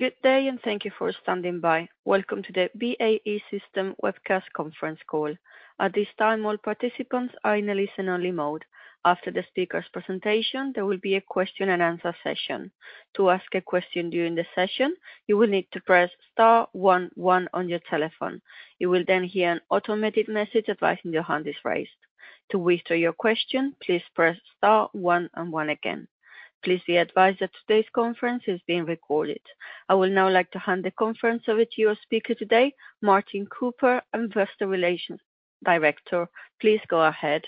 Good day, thank you for standing by. Welcome to the BAE Systems Webcast Conference Call. At this time, all participants are in a listen-only mode. After the speaker's presentation, there will be a question and answer session. To ask a question during the session, you will need to press star one one on your telephone. You will hear an automated message advising your hand is raised. To withdraw your question, please press star one and one again. Please be advised that today's conference is being recorded. I will now like to hand the conference over to your speaker today, Martin Cooper, Investor Relations Director. Please go ahead.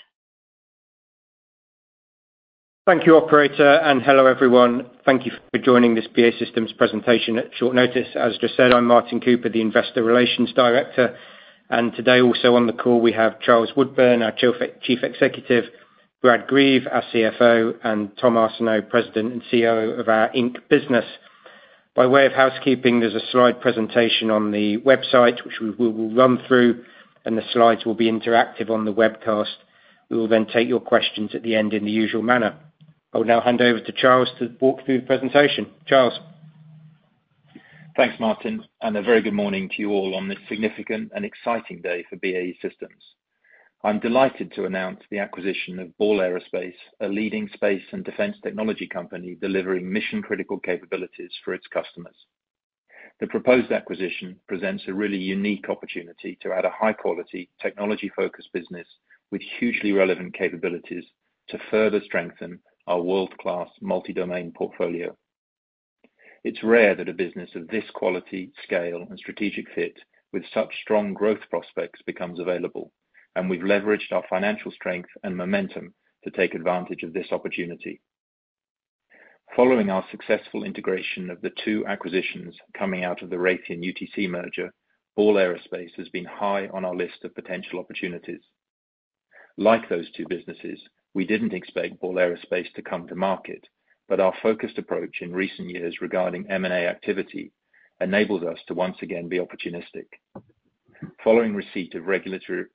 Thank you, operator. Hello, everyone. Thank you for joining this BAE Systems presentation at short notice. As just said, I'm Martin Cooper, the investor relations director, and today, also on the call, we have Charles Woodburn, our Chief Executive, Brad Greve, our CFO, and Tom Arseneault, President and CEO of our Inc. business. By way of housekeeping, there's a slide presentation on the website, which we will run through, and the slides will be interactive on the webcast. We will take your questions at the end in the usual manner. I will now hand over to Charles to walk through the presentation. Charles? Thanks, Martin. A very good morning to you all on this significant and exciting day for BAE Systems. I'm delighted to announce the acquisition of Ball Aerospace, a leading space and defense technology company, delivering mission-critical capabilities for its customers. The proposed acquisition presents a really unique opportunity to add a high-quality, technology-focused business with hugely relevant capabilities to further strengthen our world-class multi-domain portfolio. It's rare that a business of this quality, scale, and strategic fit with such strong growth prospects becomes available. We've leveraged our financial strength and momentum to take advantage of this opportunity. Following our successful integration of the two acquisitions coming out of the Raytheon UTC merger, Ball Aerospace has been high on our list of potential opportunities. Like those two businesses, we didn't expect Ball Aerospace to come to market, but our focused approach in recent years regarding M&A activity enables us to once again be opportunistic. Following receipt of regulatory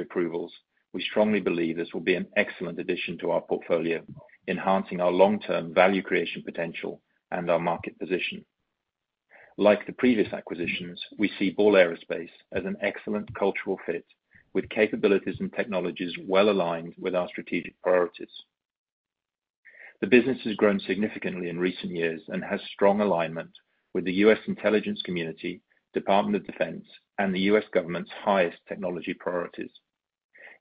approvals, we strongly believe this will be an excellent addition to our portfolio, enhancing our long-term value creation potential and our market position. Like the previous acquisitions, we see Ball Aerospace as an excellent cultural fit, with capabilities and technologies well-aligned with our strategic priorities. The business has grown significantly in recent years and has strong alignment with the U.S. Intelligence Community, Department of Defense, and the U.S. government's highest technology priorities.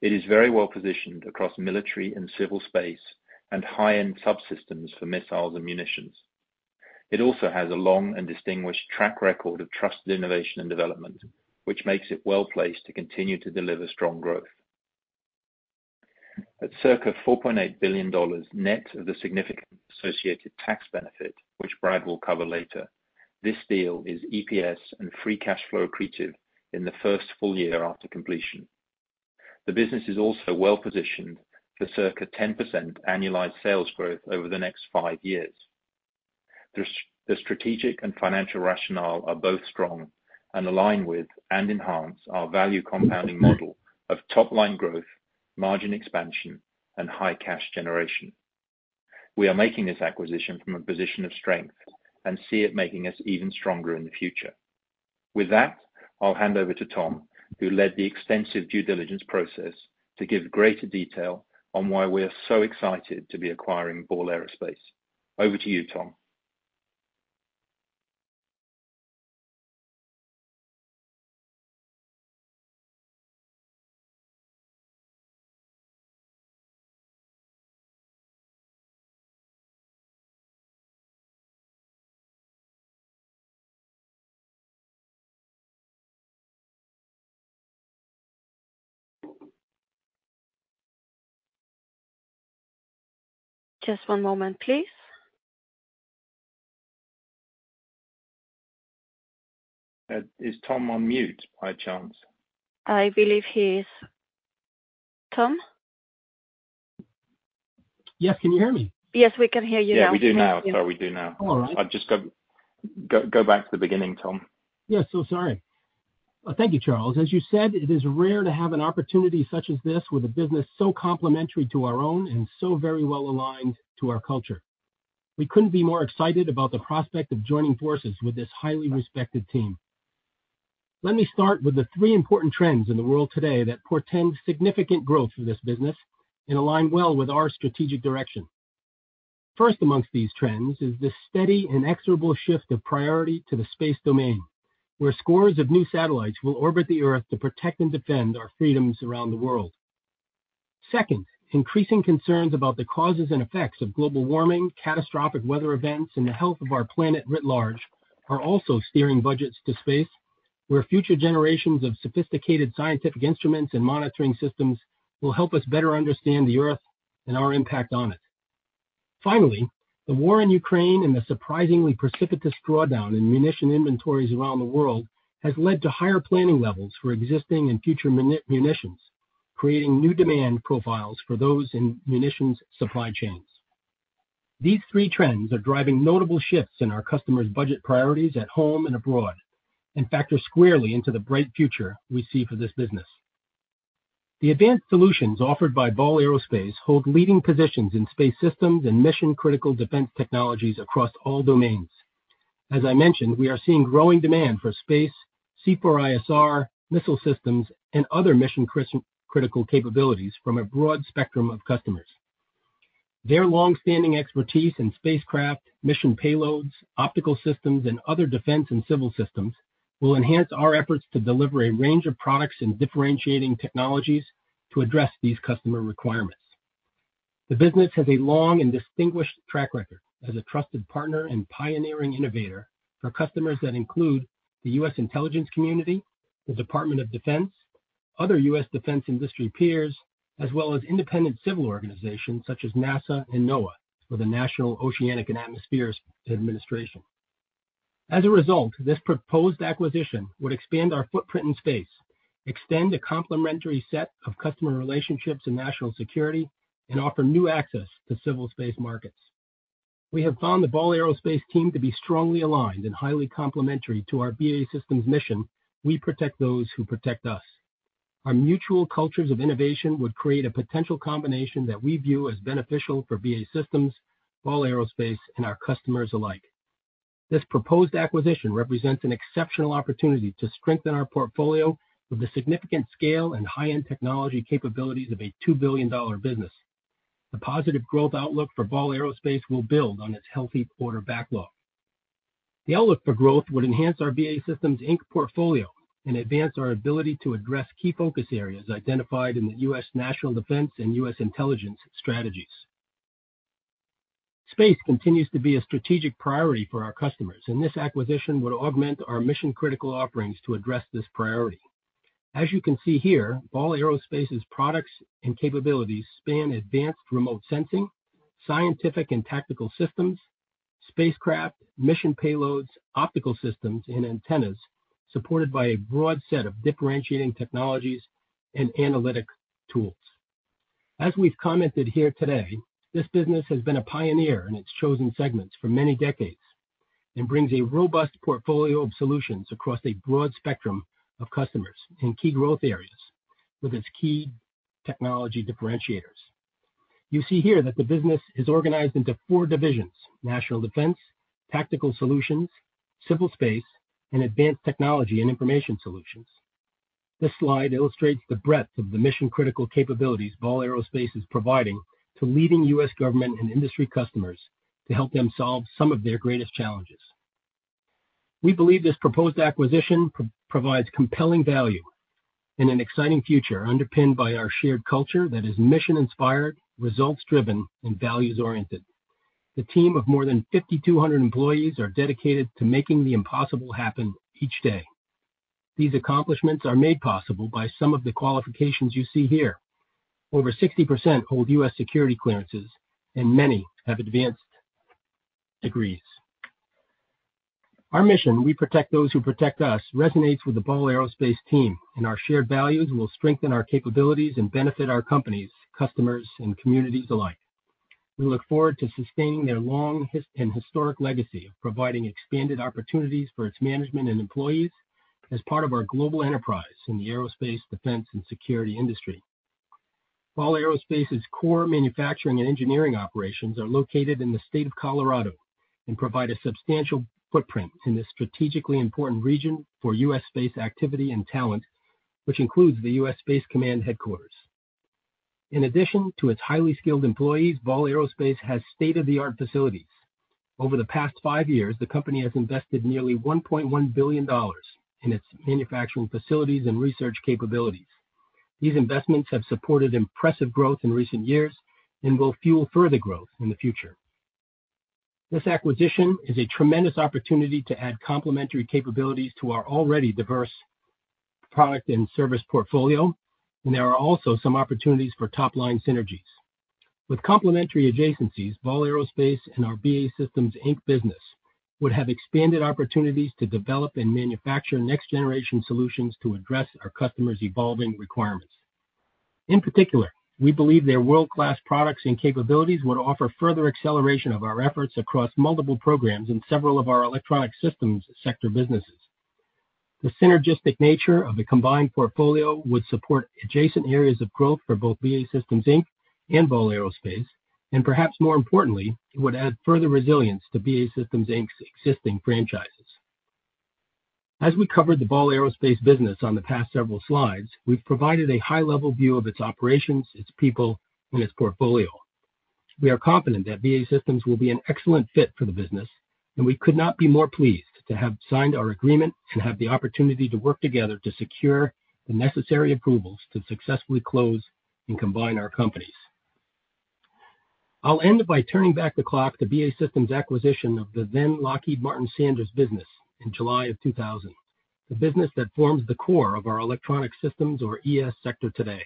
It is very well-positioned across military and civil space and high-end subsystems for missiles and munitions. It also has a long and distinguished track record of trusted innovation and development, which makes it well-placed to continue to deliver strong growth. At circa $4.8 billion net of the significant associated tax benefit, which Brad will cover later, this deal is EPS and free cash flow accretive in the first full year after completion. The business is also well-positioned for circa 10% annualized sales growth over the next five years. The strategic and financial rationale are both strong and align with and enhance our value compounding model of top-line growth, margin expansion, and high cash generation. We are making this acquisition from a position of strength and see it making us even stronger in the future. With that, I'll hand over to Tom, who led the extensive due diligence process, to give greater detail on why we are so excited to be acquiring Ball Aerospace. Over to you, Tom. Just 1 moment, please. Is Tom on mute by chance? I believe he is. Tom? Yes, can you hear me? Yes, we can hear you now. Yeah, we do now. Sorry, we do now. All right. Go, go back to the beginning, Tom. Yes, sorry. Thank you, Charles. As you said, it is rare to have an opportunity such as this with a business so complementary to our own and so very well-aligned to our culture. We couldn't be more excited about the prospect of joining forces with this highly respected team. Let me start with the three important trends in the world today that portend significant growth for this business and align well with our strategic direction. First, amongst these trends is the steady and inexorable shift of priority to the space domain, where scores of new satellites will orbit the Earth to protect and defend our freedoms around the world. Second, increasing concerns about the causes and effects of global warming, catastrophic weather events, and the health of our planet writ large, are also steering budgets to space, where future generations of sophisticated scientific instruments and monitoring systems will help us better understand the Earth and our impact on it. Finally, the war in Ukraine and the surprisingly precipitous drawdown in munition inventories around the world has led to higher planning levels for existing and future munitions, creating new demand profiles for those in munitions supply chains. These three trends are driving notable shifts in our customers' budget priorities at home and abroad, and factor squarely into the bright future we see for this business.... The advanced solutions offered by Ball Aerospace hold leading positions in space systems and mission-critical defense technologies across all domains. As I mentioned, we are seeing growing demand for space, C4ISR, missile systems, and other mission-critical capabilities from a broad spectrum of customers. Their long-standing expertise in spacecraft, mission payloads, optical systems, and other defense and civil systems will enhance our efforts to deliver a range of products and differentiating technologies to address these customer requirements. The business has a long and distinguished track record as a trusted partner and pioneering innovator for customers that include the U.S. Intelligence Community, the Department of Defense, other U.S. defense industry peers, as well as independent civil organizations such as NASA and NOAA, or the National Oceanic and Atmospheric Administration. As a result, this proposed acquisition would expand our footprint in space, extend a complementary set of customer relationships in national security, and offer new access to civil space markets. We have found the Ball Aerospace team to be strongly aligned and highly complementary to our BAE Systems mission, "We protect those who protect us." Our mutual cultures of innovation would create a potential combination that we view as beneficial for BAE Systems, Ball Aerospace, and our customers alike. This proposed acquisition represents an exceptional opportunity to strengthen our portfolio with the significant scale and high-end technology capabilities of a $2 billion business. The positive growth outlook for Ball Aerospace will build on its healthy order backlog. The outlook for growth would enhance our BAE Systems Inc. portfolio and advance our ability to address key focus areas identified in the National Defense Strategy and U.S. intelligence strategies. Space continues to be a strategic priority for our customers, and this acquisition would augment our mission-critical offerings to address this priority. As you can see here, Ball Aerospace's products and capabilities span advanced remote sensing, scientific and tactical systems, spacecraft, mission payloads, optical systems, and antennas, supported by a broad set of differentiating technologies and analytic tools. As we've commented here today, this business has been a pioneer in its chosen segments for many decades and brings a robust portfolio of solutions across a broad spectrum of customers in key growth areas with its key technology differentiators. You see here that the business is organized into four divisions: National Defense, Tactical Solutions, Civil Space, and Advanced Technology and Information Solutions. This slide illustrates the breadth of the mission-critical capabilities Ball Aerospace is providing to leading U.S. government and industry customers to help them solve some of their greatest challenges. We believe this proposed acquisition provides compelling value and an exciting future, underpinned by our shared culture that is mission-inspired, results-driven, and values-oriented. The team of more than 5,200 employees are dedicated to making the impossible happen each day. These accomplishments are made possible by some of the qualifications you see here. Over 60% hold U.S. security clearances, and many have advanced degrees. Our mission, "We protect those who protect us," resonates with the Ball Aerospace team, and our shared values will strengthen our capabilities and benefit our companies, customers, and communities alike. We look forward to sustaining their long and historic legacy of providing expanded opportunities for its management and employees as part of our global enterprise in the aerospace, defense, and security industry. Ball Aerospace's core manufacturing and engineering operations are located in the state of Colorado and provide a substantial footprint in this strategically important region for U.S. space activity and talent, which includes the U.S. Space Command headquarters. In addition to its highly skilled employees, Ball Aerospace has state-of-the-art facilities. Over the past 5 years, the company has invested nearly $1.1 billion in its manufacturing facilities and research capabilities. These investments have supported impressive growth in recent years and will fuel further growth in the future. This acquisition is a tremendous opportunity to add complementary capabilities to our already diverse product and service portfolio, and there are also some opportunities for top-line synergies. With complementary adjacencies, Ball Aerospace and our BAE Systems Inc. business would have expanded opportunities to develop and manufacture next-generation solutions to address our customers' evolving requirements. In particular, we believe their world-class products and capabilities would offer further acceleration of our efforts across multiple programs in several of our Electronic Systems sector businesses. The synergistic nature of the combined portfolio would support adjacent areas of growth for both BAE Systems Inc. and Ball Aerospace, and perhaps more importantly, it would add further resilience to BAE Systems Inc.'s existing franchises. As we covered the Ball Aerospace business on the past several slides, we've provided a high-level view of its operations, its people, and its portfolio. We are confident that BAE Systems will be an excellent fit for the business, and we could not be more pleased to have signed our agreement and have the opportunity to work together to secure the necessary approvals to successfully close and combine our companies. I'll end by turning back the clock to BAE Systems' acquisition of the then Lockheed Martin Sanders business in July of 2000. The business that forms the core of our Electronic Systems, or ES, sector today.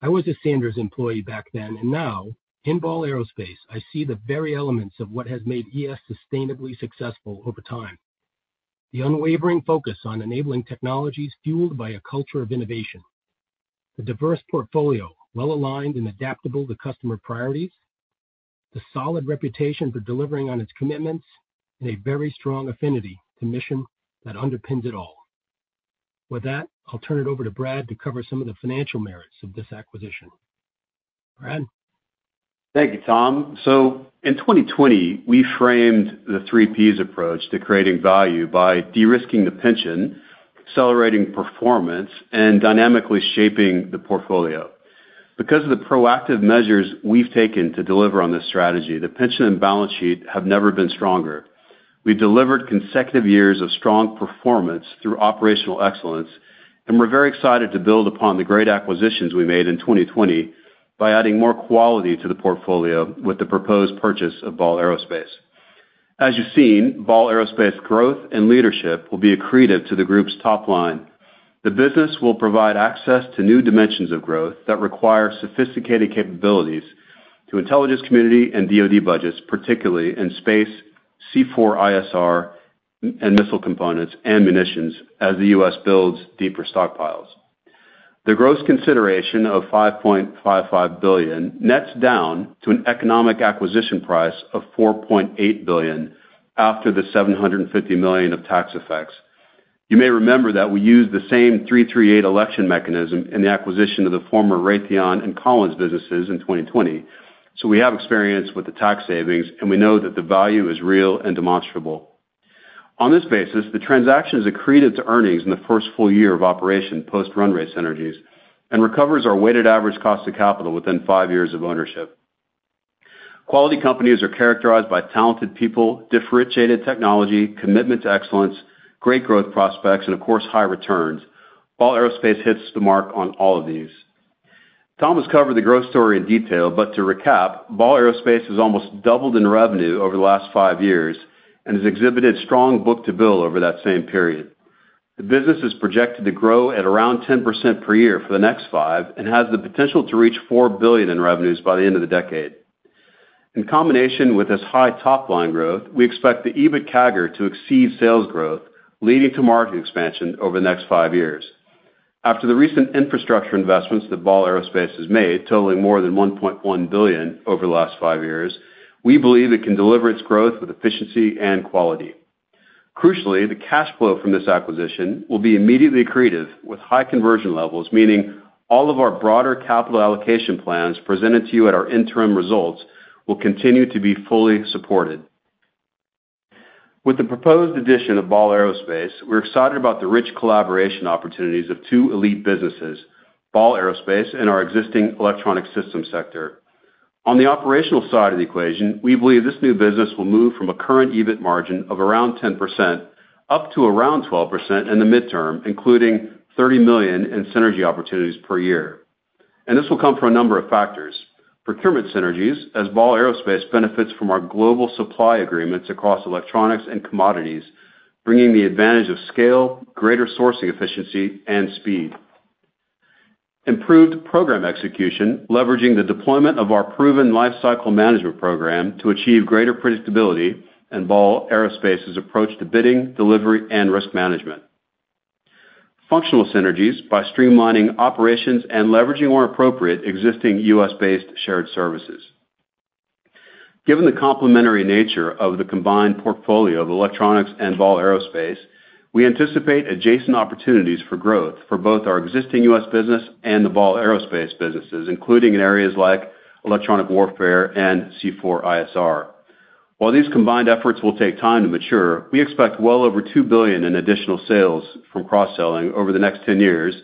I was a Sanders employee back then, and now in Ball Aerospace, I see the very elements of what has made ES sustainably successful over time. The unwavering focus on enabling technologies fueled by a culture of innovation, the diverse portfolio, well-aligned and adaptable to customer priorities. The solid reputation for delivering on its commitments, and a very strong affinity to mission that underpins it all. With that, I'll turn it over to Brad to cover some of the financial merits of this acquisition. Brad? Thank you, Tom. In 2020, we framed the three Ps approach to creating value by de-risking the pension, accelerating performance, and dynamically shaping the portfolio. Because of the proactive measures we've taken to deliver on this strategy, the pension and balance sheet have never been stronger. We've delivered consecutive years of strong performance through operational excellence, and we're very excited to build upon the great acquisitions we made in 2020 by adding more quality to the portfolio with the proposed purchase of Ball Aerospace. As you've seen, Ball Aerospace growth and leadership will be accretive to the group's top line. The business will provide access to new dimensions of growth that require sophisticated capabilities to Intelligence Community and DoD budgets, particularly in space, C4ISR, and missile components and munitions as the U.S. builds deeper stockpiles. The gross consideration of $5.55 billion nets down to an economic acquisition price of $4.8 billion after the $750 million of tax effects. You may remember that we used the same Section 338 election mechanism in the acquisition of the former Raytheon and Collins businesses in 2020, so we have experience with the tax savings, and we know that the value is real and demonstrable. On this basis, the transaction is accretive to earnings in the first full year of operation post-run rate synergies and recovers our weighted average cost of capital within 5 years of ownership. Quality companies are characterized by talented people, differentiated technology, commitment to excellence, great growth prospects, and of course, high returns. Ball Aerospace hits the mark on all of these. Tom has covered the growth story in detail, but to recap, Ball Aerospace has almost doubled in revenue over the last 5 years and has exhibited strong book-to-bill over that same period. The business is projected to grow at around 10% per year for the next 5 and has the potential to reach $4 billion in revenues by the end of the decade. In combination with this high top-line growth, we expect the EBIT CAGR to exceed sales growth, leading to margin expansion over the next 5 years. After the recent infrastructure investments that Ball Aerospace has made, totaling more than $1.1 billion over the last 5 years, we believe it can deliver its growth with efficiency and quality. Crucially, the cash flow from this acquisition will be immediately accretive with high conversion levels, meaning all of our broader capital allocation plans presented to you at our interim results will continue to be fully supported. With the proposed addition of Ball Aerospace, we're excited about the rich collaboration opportunities of two elite businesses, Ball Aerospace and our existing Electronic Systems sector. On the operational side of the equation, we believe this new business will move from a current EBIT margin of around 10% up to around 12% in the midterm, including $30 million in synergy opportunities per year. This will come from a number of factors. Procurement synergies, as Ball Aerospace benefits from our global supply agreements across electronics and commodities, bringing the advantage of scale, greater sourcing efficiency, and speed. Improved program execution, leveraging the deployment of our proven lifecycle management program to achieve greater predictability in Ball Aerospace's approach to bidding, delivery, and risk management. Functional synergies by streamlining operations and leveraging more appropriate existing U.S.-based shared services. Given the complementary nature of the combined portfolio of electronics and Ball Aerospace, we anticipate adjacent opportunities for growth for both our existing U.S. business and the Ball Aerospace businesses, including in areas like electronic warfare and C4ISR. These combined efforts will take time to mature, we expect well over $2 billion in additional sales from cross-selling over the next 10 years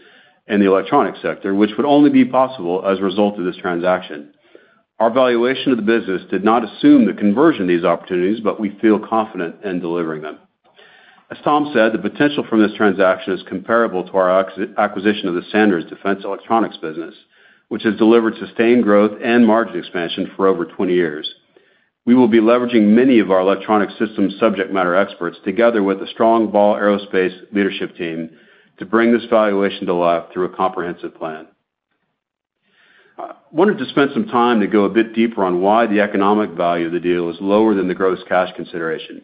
in the electronic sector, which would only be possible as a result of this transaction. Our valuation of the business did not assume the conversion of these opportunities, but we feel confident in delivering them. As Tom said, the potential from this transaction is comparable to our acquisition of the Sanders Defense Electronics business, which has delivered sustained growth and margin expansion for over 20 years. We will be leveraging many of our Electronic Systems subject matter experts, together with the strong Ball Aerospace leadership team, to bring this valuation to life through a comprehensive plan. I wanted to spend some time to go a bit deeper on why the economic value of the deal is lower than the gross cash consideration.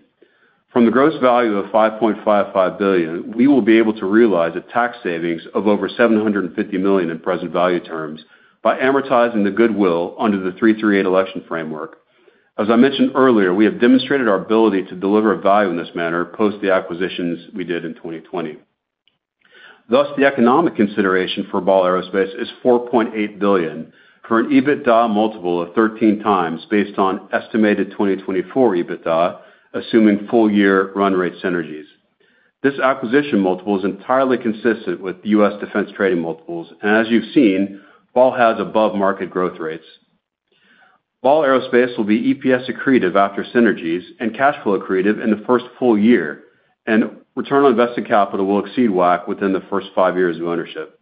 From the gross value of $5.55 billion, we will be able to realize a tax savings of over $750 million in present value terms by amortizing the goodwill under the Section 338 election framework. As I mentioned earlier, we have demonstrated our ability to deliver value in this manner post the acquisitions we did in 2020. The economic consideration for Ball Aerospace is $4.8 billion for an EBITDA multiple of 13 times based on estimated 2024 EBITDA, assuming full-year run rate synergies. This acquisition multiple is entirely consistent with U.S. defense trading multiples, as you've seen, Ball has above-market growth rates. Ball Aerospace will be EPS accretive after synergies and cash flow accretive in the first full year, return on invested capital will exceed WACC within the first 5 years of ownership.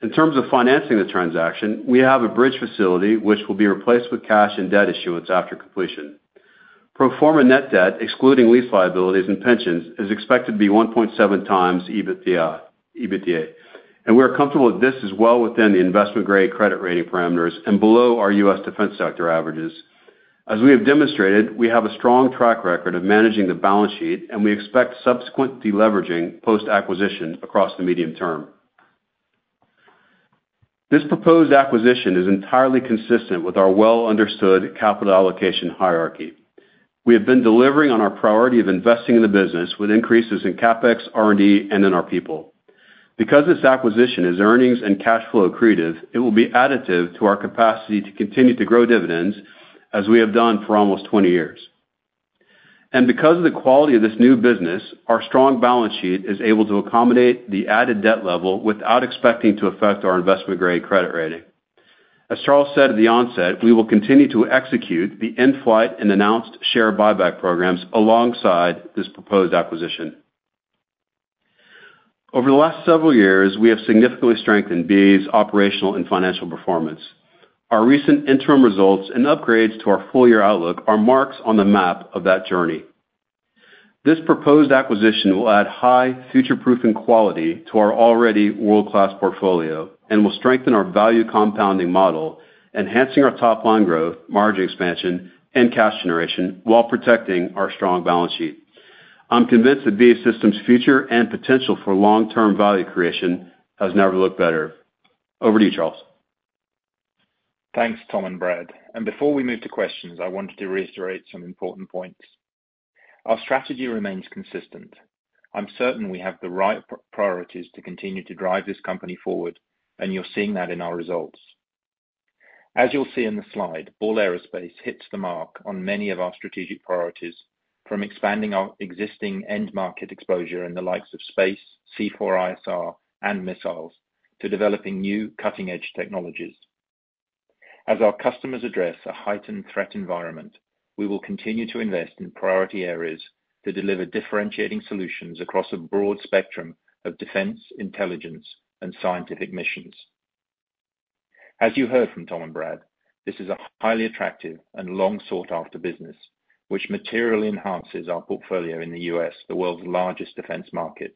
In terms of financing the transaction, we have a bridge facility which will be replaced with cash and debt issuance after completion. Pro forma net debt, excluding lease liabilities and pensions, is expected to be 1.7 times EBITDA. We are comfortable that this is well within the investment-grade credit rating parameters and below our U.S. defense sector averages. As we have demonstrated, we have a strong track record of managing the balance sheet, and we expect subsequent deleveraging post-acquisition across the medium term. This proposed acquisition is entirely consistent with our well-understood capital allocation hierarchy. We have been delivering on our priority of investing in the business, with increases in CapEx, R&D, and in our people. Because this acquisition is earnings and cash flow accretive, it will be additive to our capacity to continue to grow dividends, as we have done for almost 20 years. Because of the quality of this new business, our strong balance sheet is able to accommodate the added debt level without expecting to affect our investment-grade credit rating. As Charles said at the onset, we will continue to execute the in-flight and announced share buyback programs alongside this proposed acquisition. Over the last several years, we have significantly strengthened BAE Systems' operational and financial performance. Our recent interim results and upgrades to our full year outlook are marks on the map of that journey. This proposed acquisition will add high future-proofing quality to our already world-class portfolio and will strengthen our value compounding model, enhancing our top line growth, margin expansion, and cash generation, while protecting our strong balance sheet. I'm convinced that BAE Systems' future and potential for long-term value creation has never looked better. Over to you, Charles. Thanks, Tom and Brad. Before we move to questions, I wanted to reiterate some important points. Our strategy remains consistent. I'm certain we have the right priorities to continue to drive this company forward, and you're seeing that in our results. As you'll see in the slide, Ball Aerospace hits the mark on many of our strategic priorities, from expanding our existing end market exposure in the likes of space, C4ISR, and missiles, to developing new cutting-edge technologies. As our customers address a heightened threat environment, we will continue to invest in priority areas to deliver differentiating solutions across a broad spectrum of defense, intelligence, and scientific missions. As you heard from Tom and Brad, this is a highly attractive and long-sought-after business, which materially enhances our portfolio in the U.S., the world's largest defense market.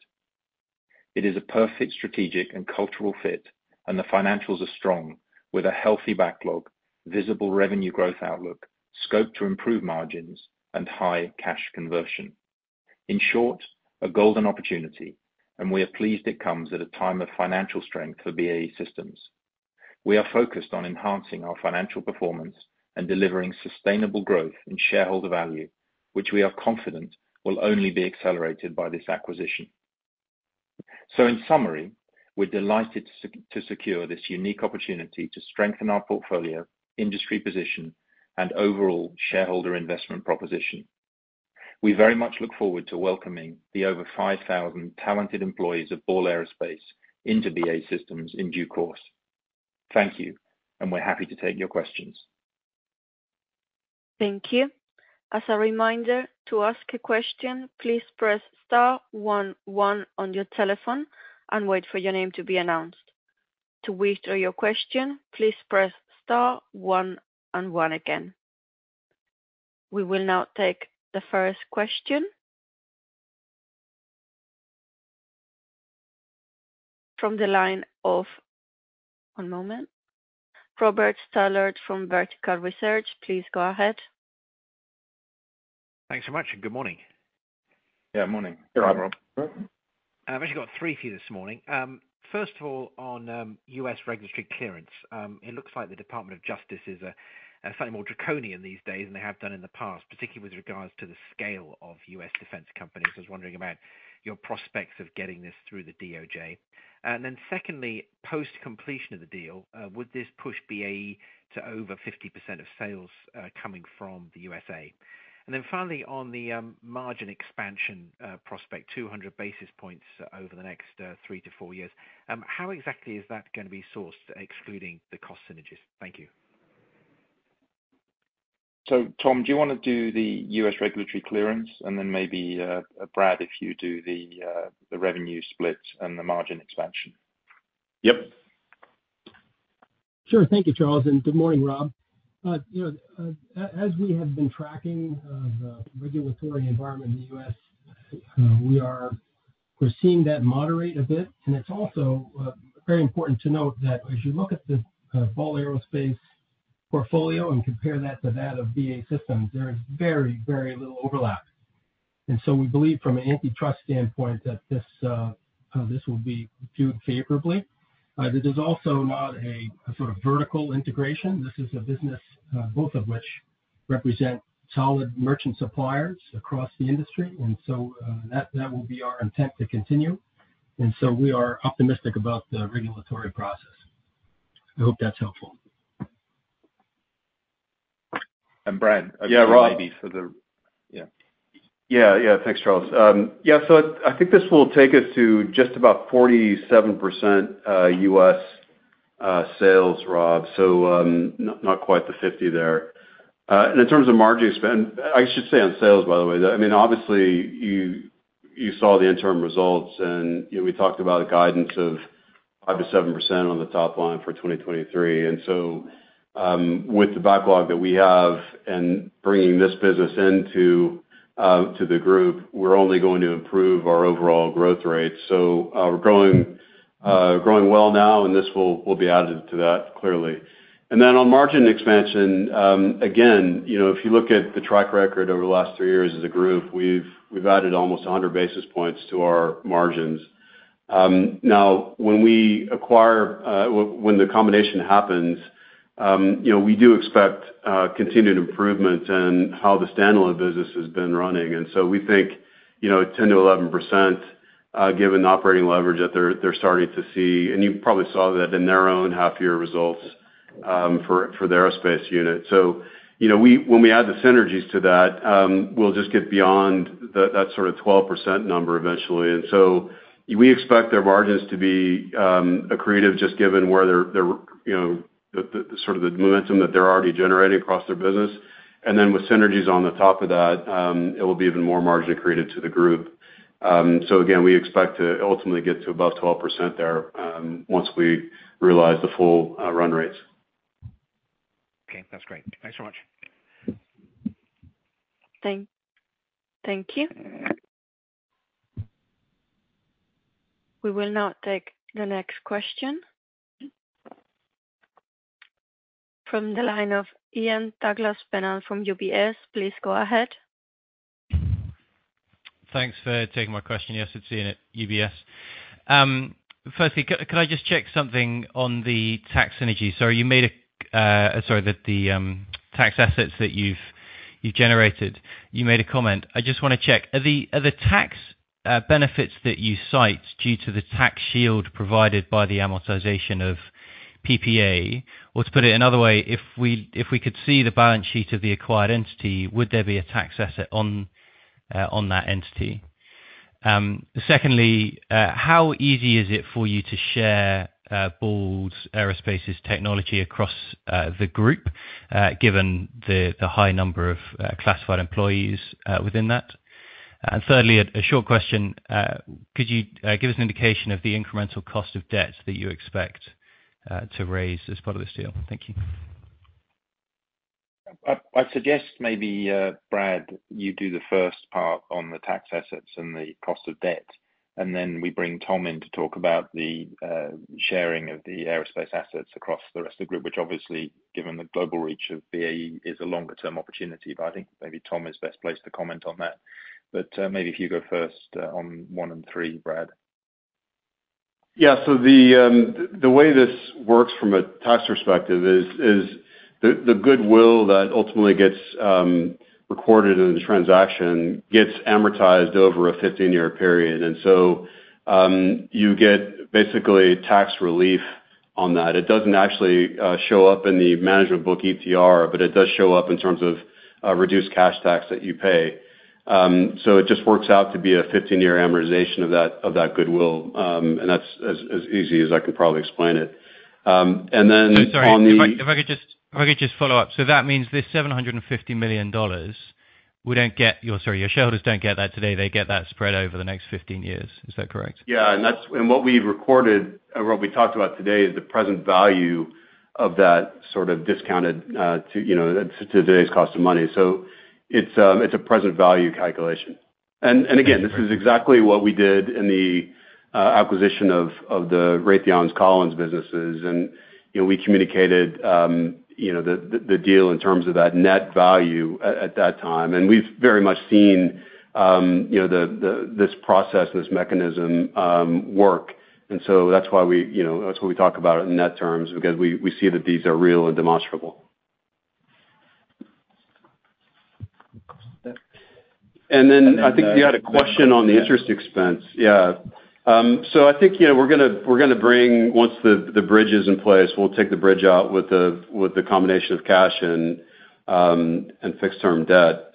It is a perfect strategic and cultural fit. The financials are strong, with a healthy backlog, visible revenue growth outlook, scope to improve margins, and high cash conversion. In short, a golden opportunity. We are pleased it comes at a time of financial strength for BAE Systems. We are focused on enhancing our financial performance and delivering sustainable growth in shareholder value, which we are confident will only be accelerated by this acquisition. In summary, we're delighted to secure this unique opportunity to strengthen our portfolio, industry position, and overall shareholder investment proposition. We very much look forward to welcoming the over 5,000 talented employees of Ball Aerospace into BAE Systems in due course. Thank you. We're happy to take your questions. Thank you. As a reminder, to ask a question, please press star 1 1 on your telephone and wait for your name to be announced. To withdraw your question, please press star 1 and 1 again. We will now take the first question. From the line of... One moment. Robert Stallard from Vertical Research, please go ahead. Thanks so much, and good morning. Yeah, morning. Good morning, Rob. I've actually got 3 for you this morning. First of all, on U.S. regulatory clearance, it looks like the Department of Justice is slightly more draconian these days than they have done in the past, particularly with regards to the scale of U.S. defense companies. I was wondering about your prospects of getting this through the DOJ. Secondly, post-completion of the deal, would this push BAE to over 50% of sales coming from the U.S.A.? Finally, on the margin expansion prospect, 200 basis points over the next 3-4 years, how exactly is that gonna be sourced, excluding the cost synergies? Thank you. Tom, do you wanna do the U.S. regulatory clearance, and then maybe, Brad, if you do the, the revenue split and the margin expansion? Yep. Sure. Thank you, Charles, and good morning, Rob. You know, as we have been tracking the regulatory environment in the U.S., we're seeing that moderate a bit, and it's also very important to note that as you look at the Ball Aerospace portfolio and compare that to that of BAE Systems, there is very, very little overlap. We believe from an antitrust standpoint, that this, this will be viewed favorably. This is also not a sort of vertical integration. This is a business, both of which represent solid merchant suppliers across the industry, and so, that will be our intent to continue. We are optimistic about the regulatory process. I hope that's helpful. Brad- Yeah, Rob. maybe for the, yeah. Yeah, yeah. Thanks, Charles. Yeah, so I, I think this will take us to just about 47% U.S. sales, Rob. Not quite the 50 there. In terms of margin spend-- I should say on sales, by the way, I mean, obviously, you, you saw the interim results and, you know, we talked about guidance of 5%-7% on the top line for 2023. With the backlog that we have and bringing this business into to the group, we're only going to improve our overall growth rate. We're growing, growing well now, and this will, will be added to that, clearly. On margin expansion, again, you know, if you look at the track record over the last three years as a group, we've, we've added almost 100 basis points to our margins. Now, when we acquire, when, when the combination happens, you know, we do expect continued improvement in how the standalone business has been running. We think, you know, 10%-11%, given the operating leverage that they're, they're starting to see, and you probably saw that in their own half year results, for, for the aerospace unit. You know, when we add the synergies to that, we'll just get beyond the, that sort of 12% number eventually. We expect their margins to be accretive, just given where they're, they're, you know, the, the sort of the momentum that they're already generating across their business. With synergies on the top of that, it will be even more margin accretive to the group. Again, we expect to ultimately get to above 12% there, once we realize the full run rates. Okay, that's great. Thanks so much. Thank, thank you. We will now take the next question. From the line of Ian Douglas-Pennant from UBS, please go ahead. Thanks for taking my question. Yes, it's Ian at UBS. Firstly, can I just check something on the tax synergy? You made a, sorry, that the tax assets that you've, you've generated, you made a comment. I just wanna check: Are the, are the tax benefits that you cite due to the tax shield provided by the amortization of PPA? Or to put it another way, if we, if we could see the balance sheet of the acquired entity, would there be a tax asset on that entity? Secondly, how easy is it for you to share Ball Aerospace's technology across the group, given the high number of classified employees within that? Thirdly, a short question, could you give us an indication of the incremental cost of debt that you expect to raise as part of this deal? Thank you. I suggest maybe, Brad, you do the first part on the tax assets and the cost of debt. Then we bring Tom in to talk about the sharing of the aerospace assets across the rest of the group, which obviously, given the global reach of BAE, is a longer term opportunity. I think maybe Tom is best placed to comment on that. Maybe if you go first on 1 and 3, Brad. The way this works from a tax perspective is the goodwill that ultimately gets recorded in the transaction gets amortized over a 15-year period. You get basically tax relief on that. It doesn't actually show up in the management book, ETR, but it does show up in terms of reduced cash tax that you pay. It just works out to be a 15-year amortization of that, of that goodwill. And that's as easy as I can probably explain it. And then on the- Sorry, if I, if I could just, if I could just follow up. That means this $750 million wouldn't get... Sorry, your shareholders don't get that today, they get that spread over the next 15 years. Is that correct? Yeah. That's, and what we've recorded and what we talked about today, is the present value of that sort of discounted, to, you know, today's cost of money. It's, it's a present value calculation. And again, this is exactly what we did in the acquisition of, of the Raytheon's Collins businesses. You know, we communicated, you know, the, the, the deal in terms of that net value at, at that time. We've very much seen, you know, the, the, this process, this mechanism, work. That's why we, you know, that's what we talk about in net terms, because we, we see that these are real and demonstrable. Then I think you had a question on the interest expense. Yeah. So I think, you know, we're gonna, we're gonna bring, once the, the bridge is in place, we'll take the bridge out with the, with the combination of cash and, and fixed term debt.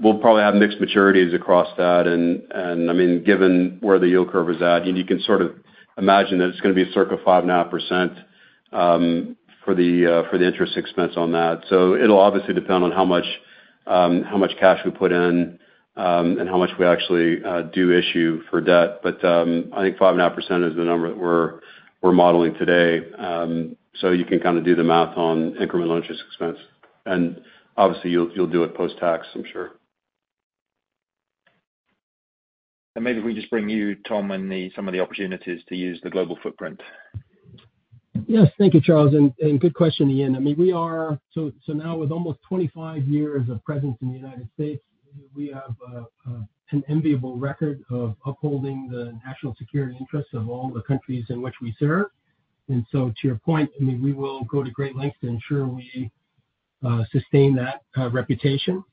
We'll probably have mixed maturities across that. I mean, given where the yield curve is at, and you can sort of imagine that it's gonna be circa 5.5% for the interest expense on that. It'll obviously depend on how much cash we put in, and how much we actually do issue for debt. I think 5.5% is the number that we're, we're modeling today. So you can kind of do the math on incremental interest expense. Obviously, you'll, you'll do it post-tax, I'm sure. Maybe if we just bring you, Tom, some of the opportunities to use the global footprint. Yes, thank you, Charles, and good question, Ian. I mean, now with almost 25 years of presence in the United States, we have an enviable record of upholding the national security interests of all the countries in which we serve. To your point, I mean, we will go to great lengths to ensure we sustain that reputation.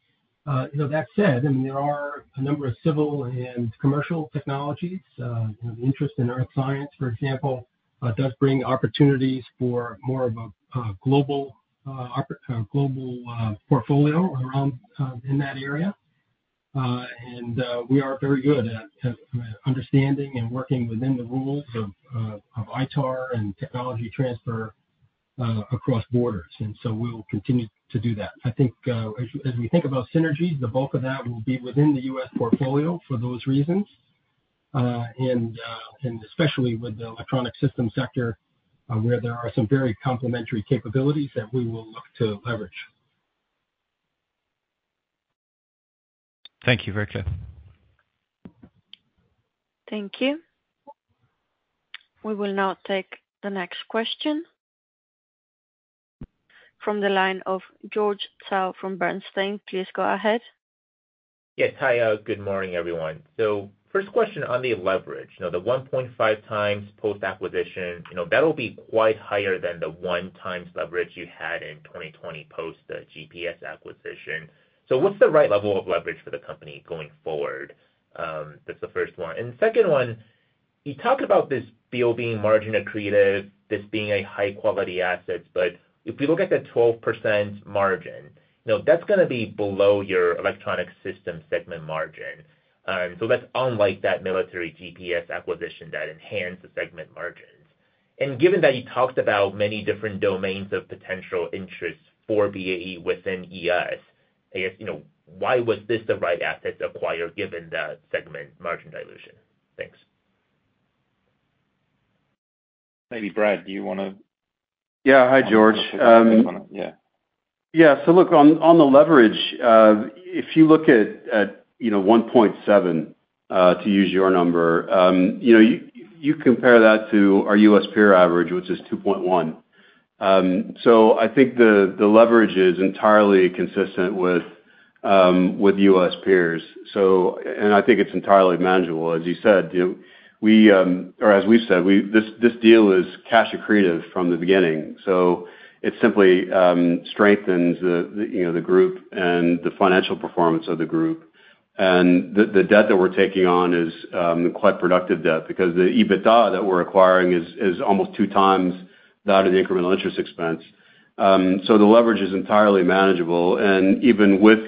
You know, that said, I mean, there are a number of civil and commercial technologies, you know, interest in Earth science, for example, does bring opportunities for more of a global, a global portfolio around in that area. We are very good at understanding and working within the rules of ITAR and technology transfer across borders, we will continue to do that. I think, as, as we think about synergies, the bulk of that will be within the U.S. portfolio for those reasons. Especially with the Electronic Systems sector, where there are some very complementary capabilities that we will look to leverage. Thank you. Very clear. Thank you. We will now take the next question. From the line of George Zhao from Bernstein. Please go ahead. Yes. Hi, good morning, everyone. First question on the leverage. Now, the 1.5 times post-acquisition, you know, that'll be quite higher than the 1 time leverage you had in 2020 post GPS acquisition. What's the right level of leverage for the company going forward? That's the first one. The second one, you talked about this deal being margin accretive, this being a high quality asset, but if you look at the 12% margin, now, that's gonna be below your Electronic Systems segment margin. So that's unlike that military GPS acquisition that enhanced the segment margins. Given that you talked about many different domains of potential interest for BAE within ES, I guess, you know, why was this the right asset to acquire given the segment margin dilution? Thanks. Maybe, Brad, do you wanna- Yeah. Hi, George. Yeah. Yeah, look, on, on the leverage, if you look at, at, you know, 1.7, to use your number, you know, you compare that to our U.S. peer average, which is 2.1. I think the, the leverage is entirely consistent with US peers. I think it's entirely manageable. As you said, you, we, or as we've said, we, this, this deal is cash accretive from the beginning, so it simply strengthens the, you know, the group and the financial performance of the group. The, the debt that we're taking on is quite productive debt, because the EBITDA that we're acquiring is, is almost 2 times that of the incremental interest expense. The leverage is entirely manageable, and even with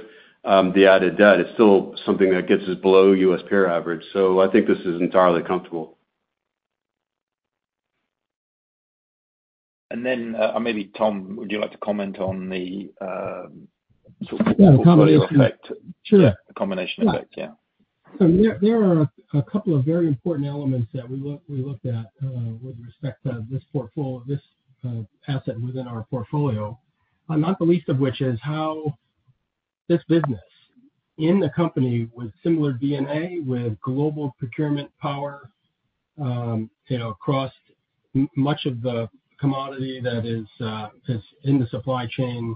the added debt, it's still something that gets us below U.S. peer average. I think this is entirely comfortable. Maybe Tom, would you like to comment on the, sort of... Yeah, combination. The combination effect? Sure. Yeah, the combination effect, yeah. There are a couple of very important elements that we looked at with respect to this portfolio, this asset within our portfolio. Not the least of which is how this business in the company with similar DNA, with global procurement power, you know, across much of the commodity that is in the supply chain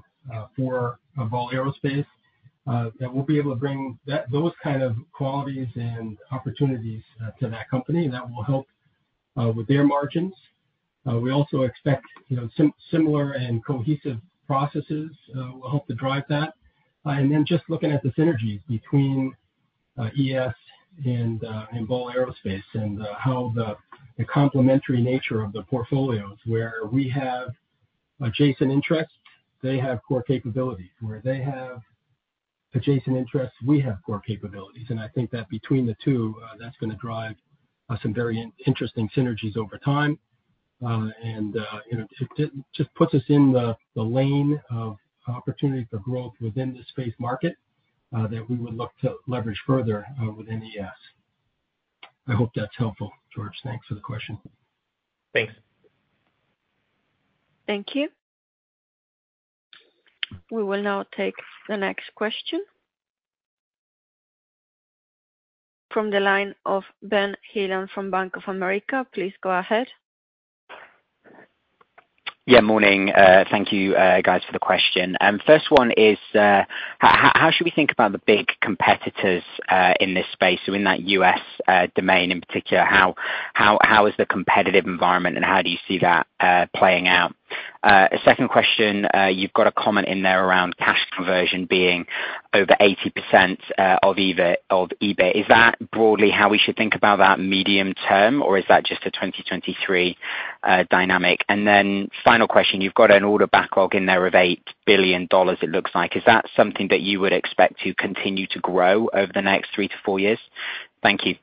for Ball Aerospace, that we'll be able to bring that, those kind of qualities and opportunities to that company, and that will help with their margins. We also expect, you know, similar and cohesive processes will help to drive that. Just looking at the synergies between ES and Ball Aerospace, and how the complementary nature of the portfolios, where we have adjacent interests, they have core capabilities. Where they have adjacent interests, we have core capabilities. I think that between the two, that's gonna drive some very interesting synergies over time. You know, just puts us in the, the lane of opportunity for growth within the space market, that we would look to leverage further within ES. I hope that's helpful, George. Thanks for the question. Thanks. Thank you. We will now take the next question. From the line of Benjamin Heelan from Bank of America. Please go ahead. Yeah, morning. Thank you, guys, for the question. First one is, h- how should we think about the big competitors in this space? In that U.S., domain in particular, how, how, how is the competitive environment, and how do you see that playing out? Second question, you've got a comment in there around cash conversion being over 80% of EBITDA, of EBIT. Is that broadly how we should think about that medium term, or is that just a 2023 dynamic? Then final question, you've got an order backlog in there of $8 billion it looks like. Is that something that you would expect to continue to grow over the next 3-4 years? Thank you.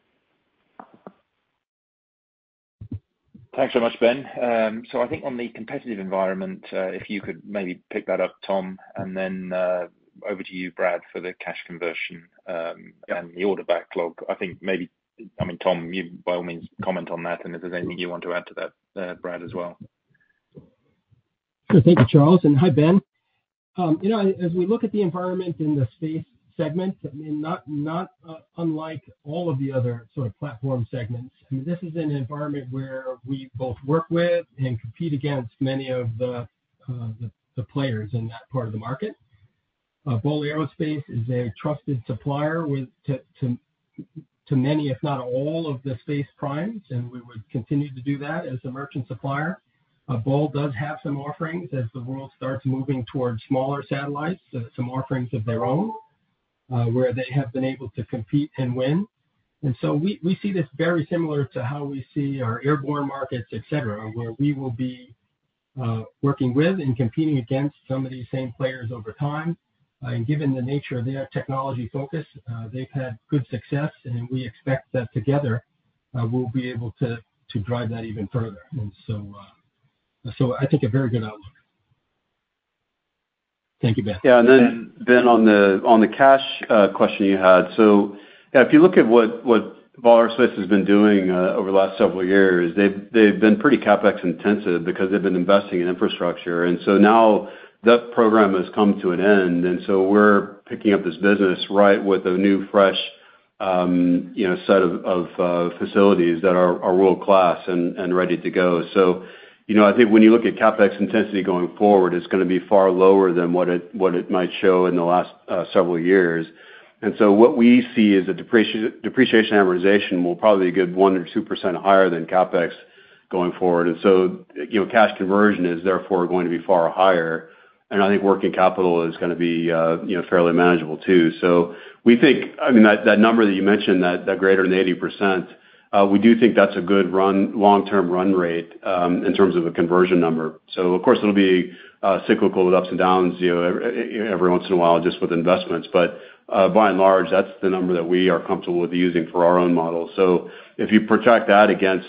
Thanks so much, Ben. I think on the competitive environment, if you could maybe pick that up, Tom, and then over to you, Brad, for the cash conversion, and the order backlog. I think maybe, I mean, Tom, you by all means, comment on that, and if there's anything you want to add to that, Brad, as well. Thank you, Charles, and hi, Ben. You know, as we look at the environment in the space segment, I mean, not, not unlike all of the other sort of platform segments, this is an environment where we both work with and compete against many of the, the, the players in that part of the market. Ball Aerospace is a trusted supplier with, to, to, to many, if not all, of the space primes, and we would continue to do that as a merchant supplier. Ball does have some offerings as the world starts moving towards smaller satellites, some offerings of their own, where they have been able to compete and win. We, we see this very similar to how we see our airborne markets, et cetera, where we will be working with and competing against some of these same players over time. Given the nature of their technology focus, they've had good success, and we expect that together, we'll be able to, to drive that even further. I think a very good outlook. Thank you, Ben. Yeah, Ben, on the, on the cash question you had. Yeah, if you look at what, what Ball Aerospace has been doing over the last several years, they've, they've been pretty CapEx intensive because they've been investing in infrastructure. Now that program has come to an end, we're picking up this business right with a new, fresh, you know, set of, of facilities that are, are world-class and, and ready to go. You know, I think when you look at CapEx intensity going forward, it's gonna be far lower than what it, what it might show in the last several years. What we see is the depreciation amortization will probably be a good 1% or 2% higher than CapEx going forward. You know, cash conversion is therefore going to be far higher, and I think working capital is gonna be, you know, fairly manageable too. We think, I mean, that, that number that you mentioned, that, that greater than 80%, we do think that's a good long-term run rate in terms of a conversion number. Of course, it'll be cyclical with ups and downs, you know, every once in a while, just with investments. By and large, that's the number that we are comfortable with using for our own model. If you protect that against,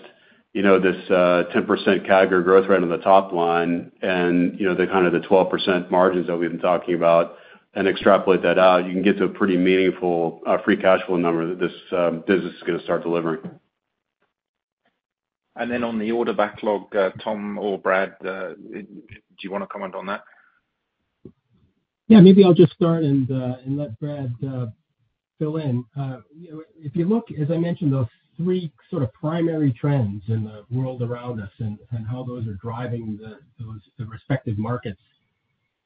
you know, this, 10% CAGR growth rate on the top line, and, you know, the kind of the 12% margins that we've been talking about and extrapolate that out, you can get to a pretty meaningful, free cash flow number that this, business is gonna start delivering. Then, on the order backlog, Tom or Brad, do you wanna comment on that? Yeah, maybe I'll just start and, and let Brad fill in. You know, if you look, as I mentioned, those 3 sort of primary trends in the world around us and, and how those are driving the, those, the respective markets,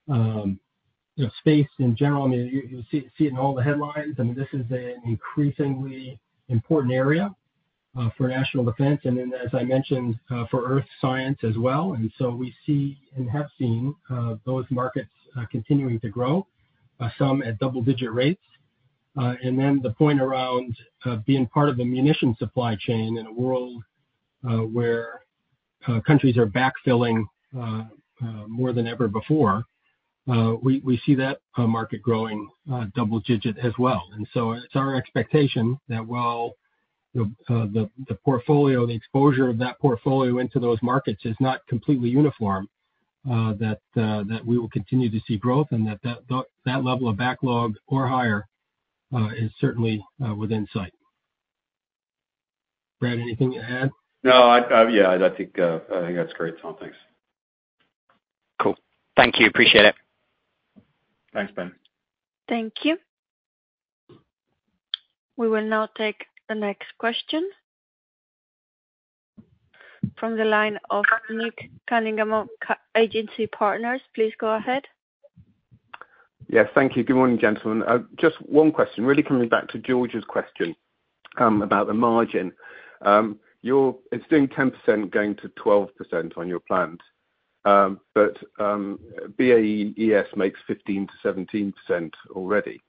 you know, space in general, I mean, you, you see it in all the headlines, and this is an increasingly important area, for national defense, and then, as I mentioned, for earth science as well. So we see and have seen, those markets, continuing to grow, some at double-digit rates. Then the point around, being part of the munition supply chain in a world, where, countries are backfilling, more than ever before, we, we see that, market growing, double-digit as well. It's our expectation that while the, the portfolio, the exposure of that portfolio into those markets is not completely uniform, that we will continue to see growth and that, that, that level of backlog or higher, is certainly within sight. Brad, anything to add? No, I, yeah, I think, I think that's great, Tom. Thanks. Cool. Thank you. Appreciate it. Thanks, Ben. Thank you. We will now take the next question. From the line of Nick Cunningham, Agency Partners, please go ahead. Yeah, thank you. Good morning, gentlemen. Just 1 question, really coming back to George's question, about the margin. It's doing 10%, going to 12% on your plans, but BAE ES makes 15%-17% already,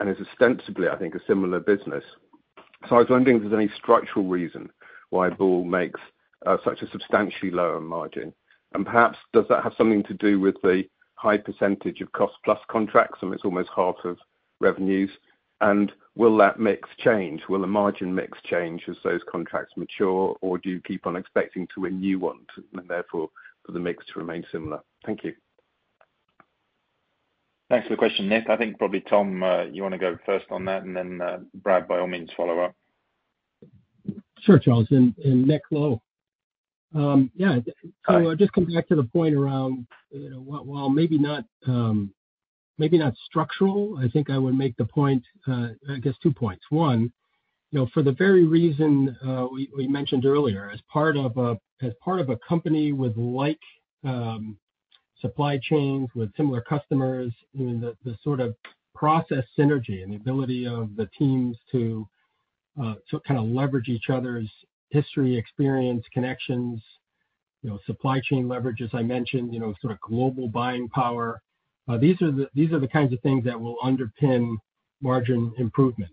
and is ostensibly, I think, a similar business. I was wondering if there's any structural reason why Ball makes such a substantially lower margin? Perhaps, does that have something to do with the high percentage of cost-plus contracts, and it's almost half of revenues, and will that mix change? Will the margin mix change as those contracts mature, or do you keep on expecting to renew one, and therefore, for the mix to remain similar? Thank you. Thanks for the question, Nick. I think probably, Tom, you wanna go first on that, and then, Brad, by all means, follow up. Sure, Charles, and Nick, hello. Yeah, just coming back to the point around, you know, while, while maybe not, maybe not structural, I think I would make the point, I guess two points. One, you know, for the very reason, we, we mentioned earlier, as part of a, as part of a company with like, supply chains, with similar customers, you know, the, the sort of process synergy and the ability of the teams to, to kind of leverage each other's history, experience, connections, you know, supply chain leverage, as I mentioned, you know, sort of global buying power, these are the, these are the kinds of things that will underpin margin improvement.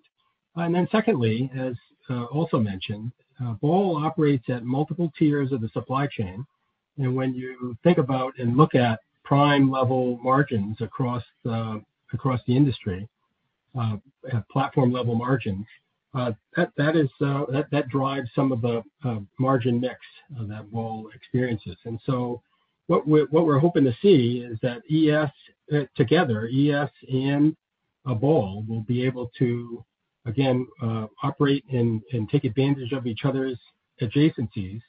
Then secondly, as also mentioned, Ball operates at multiple tiers of the supply chain. When you think about and look at prime level margins across the, across the industry, at platform-level margins, that, that is, that, that drives some of the margin mix that Ball experiences. What we're, what we're hoping to see is that ES, together, ES and Ball will be able to, again, operate and, and take advantage of each other's adjacencies,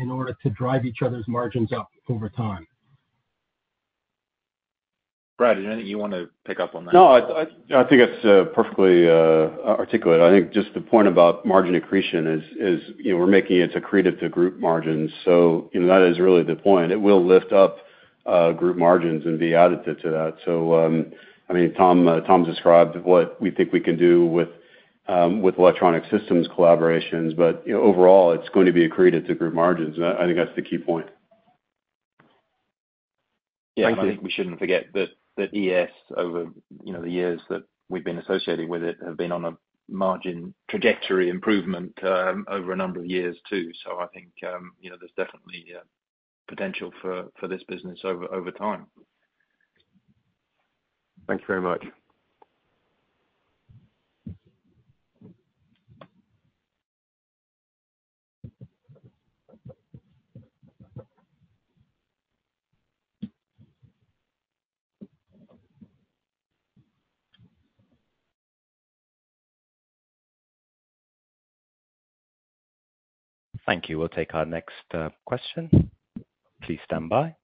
in order to drive each other's margins up over time. Brad, anything you want to pick up on that? No, I, I, I think that's perfectly articulate. I think just the point about margin accretion is, is, you know, we're making it accretive to group margins. You know, that is really the point. It will lift up group margins and be additive to that. I mean, Tom, Tom described what we think we can do with electronic systems collaborations, but, you know, overall, it's going to be accretive to group margins. I, I think that's the key point. Yeah. Thank you. I think we shouldn't forget that, that ES over, you know, the years that we've been associating with it, have been on a margin trajectory improvement, over a number of years too. I think, you know, there's definitely, potential for, for this business over, over time. Thank you very much. Thank you. We'll take our next question. Please stand by.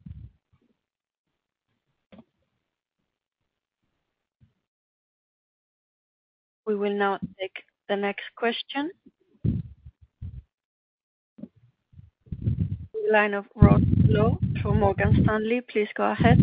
We will now take the next question. Line of Ross Law from Morgan Stanley, please go ahead.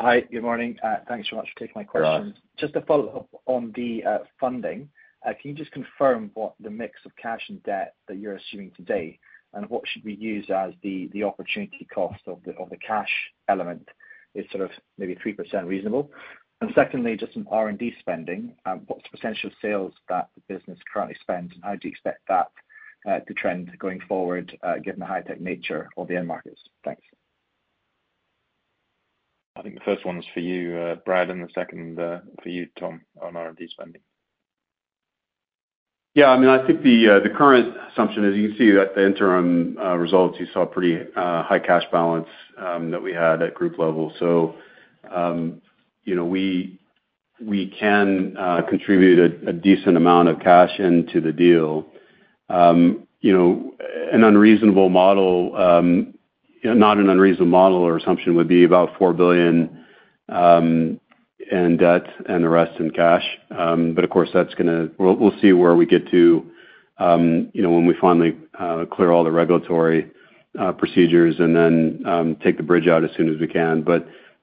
Hi, good morning. Thanks so much for taking my question. Hi. Just to follow up on the funding, can you just confirm what the mix of cash and debt that you're assuming today, and what should we use as the opportunity cost of the cash element? Is sort of maybe 3% reasonable? Secondly, just some R&D spending. What's the percentage of sales that the business currently spends, and how do you expect that to trend going forward, given the high tech nature of the end markets? Thanks. I think the first one is for you, Brad, and the second, for you, Tom, on R&D spending. Yeah, I mean, I think the, the current assumption, as you can see, that the interim results, you saw a pretty high cash balance that we had at group level. You know, we, we can contribute a decent amount of cash into the deal. You know, an unreasonable model, not an unreasonable model or assumption would be about 4 billion in debt and the rest in cash. Of course, that's gonna... We'll, we'll see where we get to, you know, when we finally clear all the regulatory procedures and then take the bridge out as soon as we can.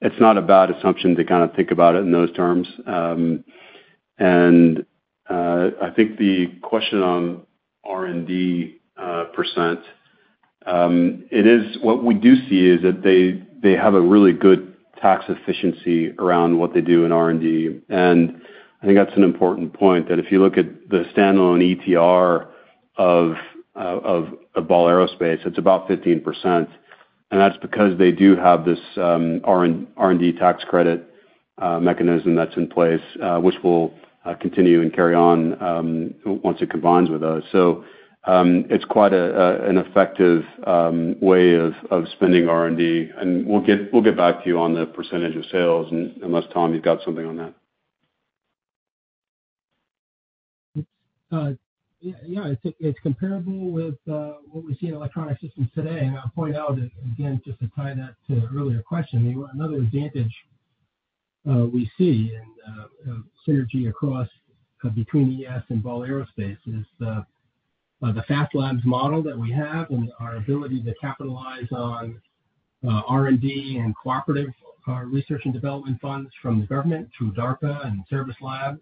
It's not a bad assumption to kind of think about it in those terms. I think the question on R&D percent, what we do see is that they, they have a really good tax efficiency around what they do in R&D. I think that's an important point, that if you look at the standalone ETR of Ball Aerospace, it's about 15%. That's because they do have this R&D tax credit mechanism that's in place, which will continue and carry on once it combines with us. It's quite an effective way of spending R&D, and we'll get, we'll get back to you on the percentage of sales, unless, Tom, you've got something on that. Yeah, yeah, I think it's comparable with what we see in Electronic Systems today. I'll point out again, just to tie that to an earlier question, another advantage we see in synergy across, between ES and Ball Aerospace is the FAST Labs model that we have and our ability to capitalize on R&D and cooperative research and development funds from the government through DARPA and Service Labs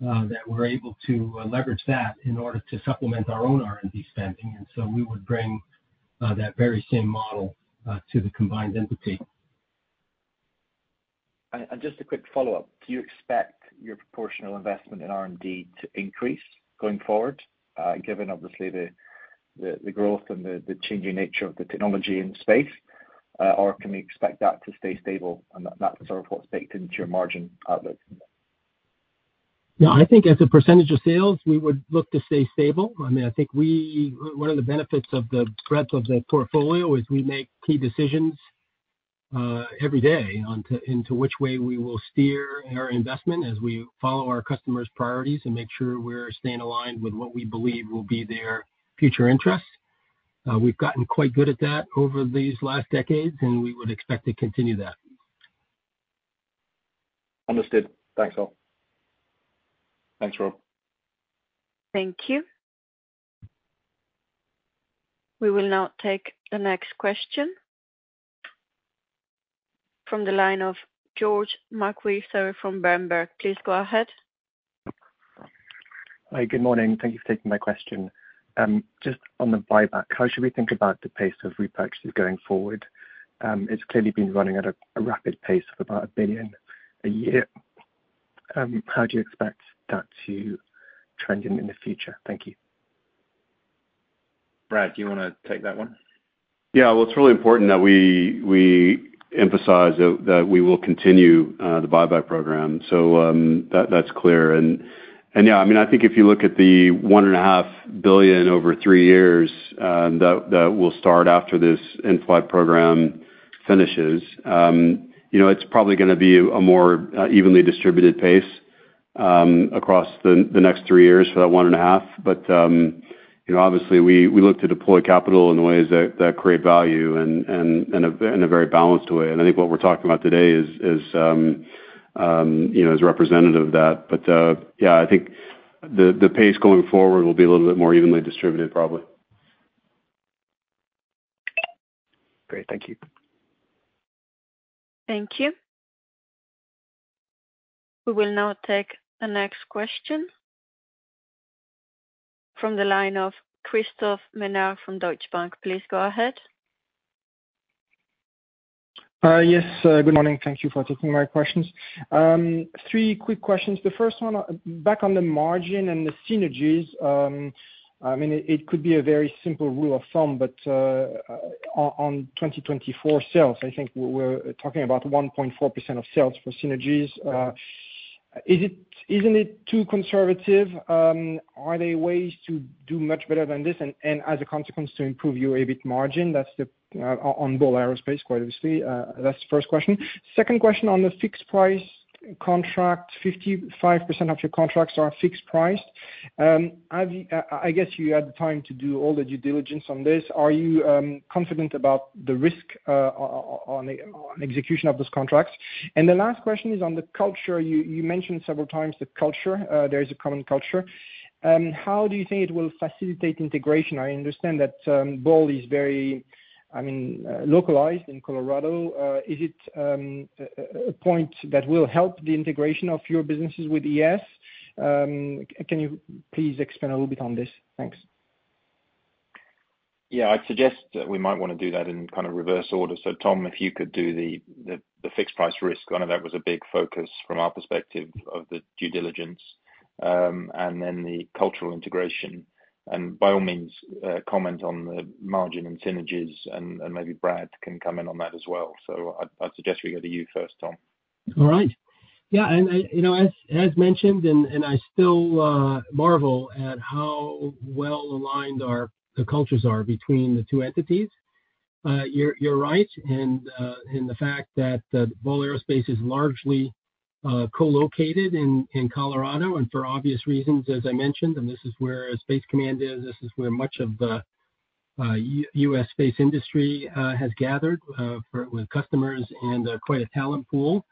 that we're able to leverage that in order to supplement our own R&D spending. We would bring that very same model to the combined entity. Just a quick follow-up. Do you expect your proportional investment in R&D to increase going forward, given obviously the, the, the growth and the, the changing nature of the technology in space? Or can we expect that to stay stable, and that's sort of what's baked into your margin outlook? Yeah, I think as a % of sales, we would look to stay stable. I mean, I think we-- one of the benefits of the breadth of the portfolio is we make key decisions, every day onto, into which way we will steer our investment as we follow our customers' priorities and make sure we're staying aligned with what we believe will be their future interests. We've gotten quite good at that over these last decades, and we would expect to continue that. Understood. Thanks, all. Thanks, Rob. Thank you. We will now take the next question. From the line of George McWhirter from Berenberg. Please go ahead. Hi, good morning. Thank you for taking my question. Just on the buyback, how should we think about the pace of repurchases going forward? It's clearly been running at a rapid pace of about $1 billion a year. How do you expect that to trend in, in the future? Thank you. Brad, do you want to take that one? Yeah. Well, it's really important that we, we emphasize that, that we will continue the buyback program. That, that's clear. Yeah, I mean, I think if you look at the 1.5 billion over 3 years, that, that will start after this in-flight program finishes, you know, it's probably gonna be a more evenly distributed pace across the, the next 3 years for that 1.5. You know, obviously, we, we look to deploy capital in ways that, that create value and, and, and a, in a very balanced way. I think what we're talking about today is, is, you know, is representative of that. Yeah, I think the, the pace going forward will be a little bit more evenly distributed, probably. Great. Thank you. Thank you. We will now take the next question, from the line of Christophe Menard from Deutsche Bank. Please go ahead. Yes, good morning. Thank you for taking my questions. Three quick questions. The first one, back on the margin and the synergies, I mean, it could be a very simple rule of thumb, but on 2024 sales, I think we're talking about 1.4% of sales for synergies. Isn't it too conservative? Are there ways to do much better than this? As a consequence, to improve your EBIT margin, that's the on Ball Aerospace, quite obviously. That's the first question. Second question on the fixed-price contract, 55% of your contracts are fixed-price. I've, I, I guess you had the time to do all the due diligence on this. Are you confident about the risk on execution of those contracts? The last question is on the culture. You, you mentioned several times, the culture, there is a common culture. How do you think it will facilitate integration? I understand that, Boeing is very, I mean, localized in Colorado. Is it a point that will help the integration of your businesses with ES? Can you please expand a little bit on this? Thanks. I'd suggest that we might wanna do that in kind of reverse order. Tom, if you could do the fixed-price risk. I know that was a big focus from our perspective of the due diligence, and then the cultural integration, and by all means, comment on the margin and synergies, and maybe Brad can come in on that as well. I'd suggest we go to you first, Tom. All right. Yeah, you know, as, as mentioned, I still marvel at how well aligned our, the cultures are between the two entities. You're, you're right in the fact that Boeing Aerospace is largely co-located in Colorado. For obvious reasons, as I mentioned, this is where Space Command is, this is where much of the U.S. space industry has gathered for, with customers and quite a talent pool.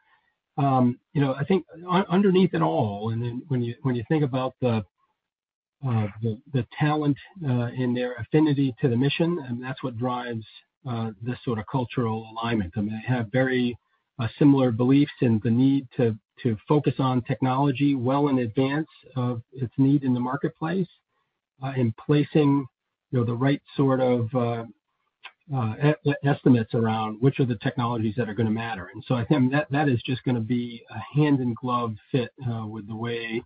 You know, I think underneath it all, then when you, when you think about the, the talent, and their affinity to the mission, that's what drives this sort of cultural alignment. I mean, they have very similar beliefs in the need to focus on technology well in advance of its need in the marketplace, in placing, you know, the right sort of estimates around which are the technologies that are gonna matter. I think that, that is just gonna be a hand-in-glove fit with the way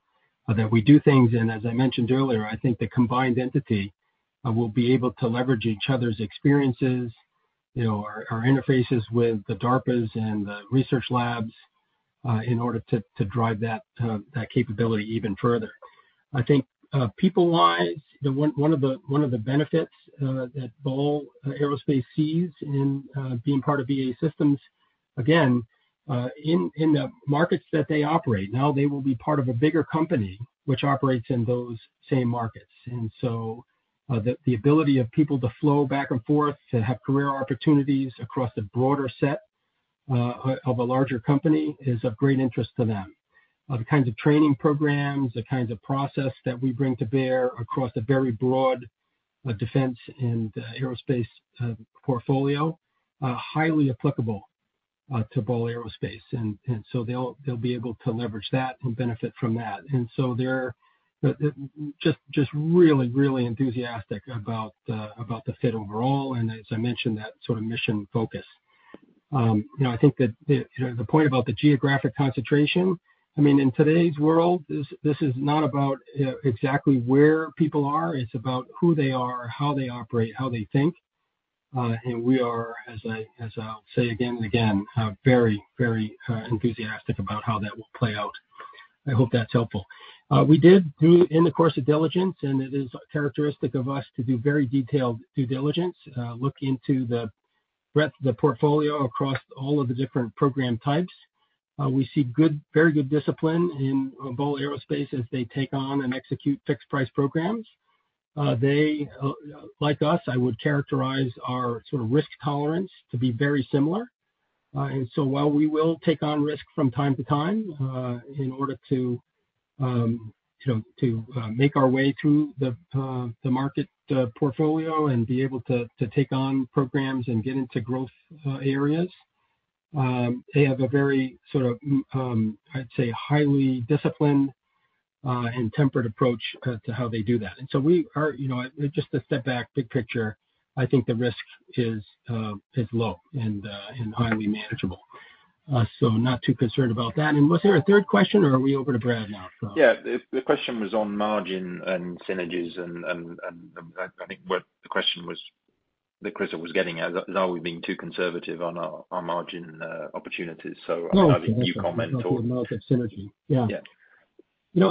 that we do things. As I mentioned earlier, I think the combined entity will be able to leverage each other's experiences, you know, our, our interfaces with the DARPAs and the research labs, in order to drive that capability even further. I think people-wise, one of the benefits that Ball Aerospace sees in being part of BAE Systems, again, in the markets that they operate, now they will be part of a bigger company which operates in those same markets. So, the ability of people to flow back and forth, to have career opportunities across a broader set of a larger company, is of great interest to them. The kinds of training programs, the kinds of process that we bring to bear across a very broad defense and aerospace portfolio, are highly applicable to Ball Aerospace. So they'll be able to leverage that and benefit from that. So they're just, just really, really enthusiastic about the, about the fit overall, and as I mentioned, that sort of mission focus. You know, I think that the, you know, the point about the geographic concentration, I mean, in today's world, this, this is not about exactly where people are, it's about who they are, how they operate, how they think. We are, as I, as I'll say again and again, very, very enthusiastic about how that will play out. I hope that's helpful. We did do in the course of diligence, and it is characteristic of us to do very detailed due diligence, look into the breadth of the portfolio across all of the different program types. We see good, very good discipline in Boeing Aerospace as they take on and execute fixed price programs. They, like us, I would characterize our sort of risk tolerance to be very similar. So while we will take on risk from time to time, in order to, you know, to make our way through the market, portfolio and be able to, to take on programs and get into growth areas, they have a very sort of, I'd say, highly disciplined, and tempered approach to how they do that. So we are, you know, just a step back, big picture, I think the risk is low and highly manageable. So not too concerned about that. Was there a third question, or are we over to Brad now? The, the question was on margin and synergies and, and, and I think what the question was, that Chris was getting at, is, are we being too conservative on our, our margin opportunities? Oh.[crostalk] I'll leave you comment on. Margin synergy. Yeah. Yeah. You know, I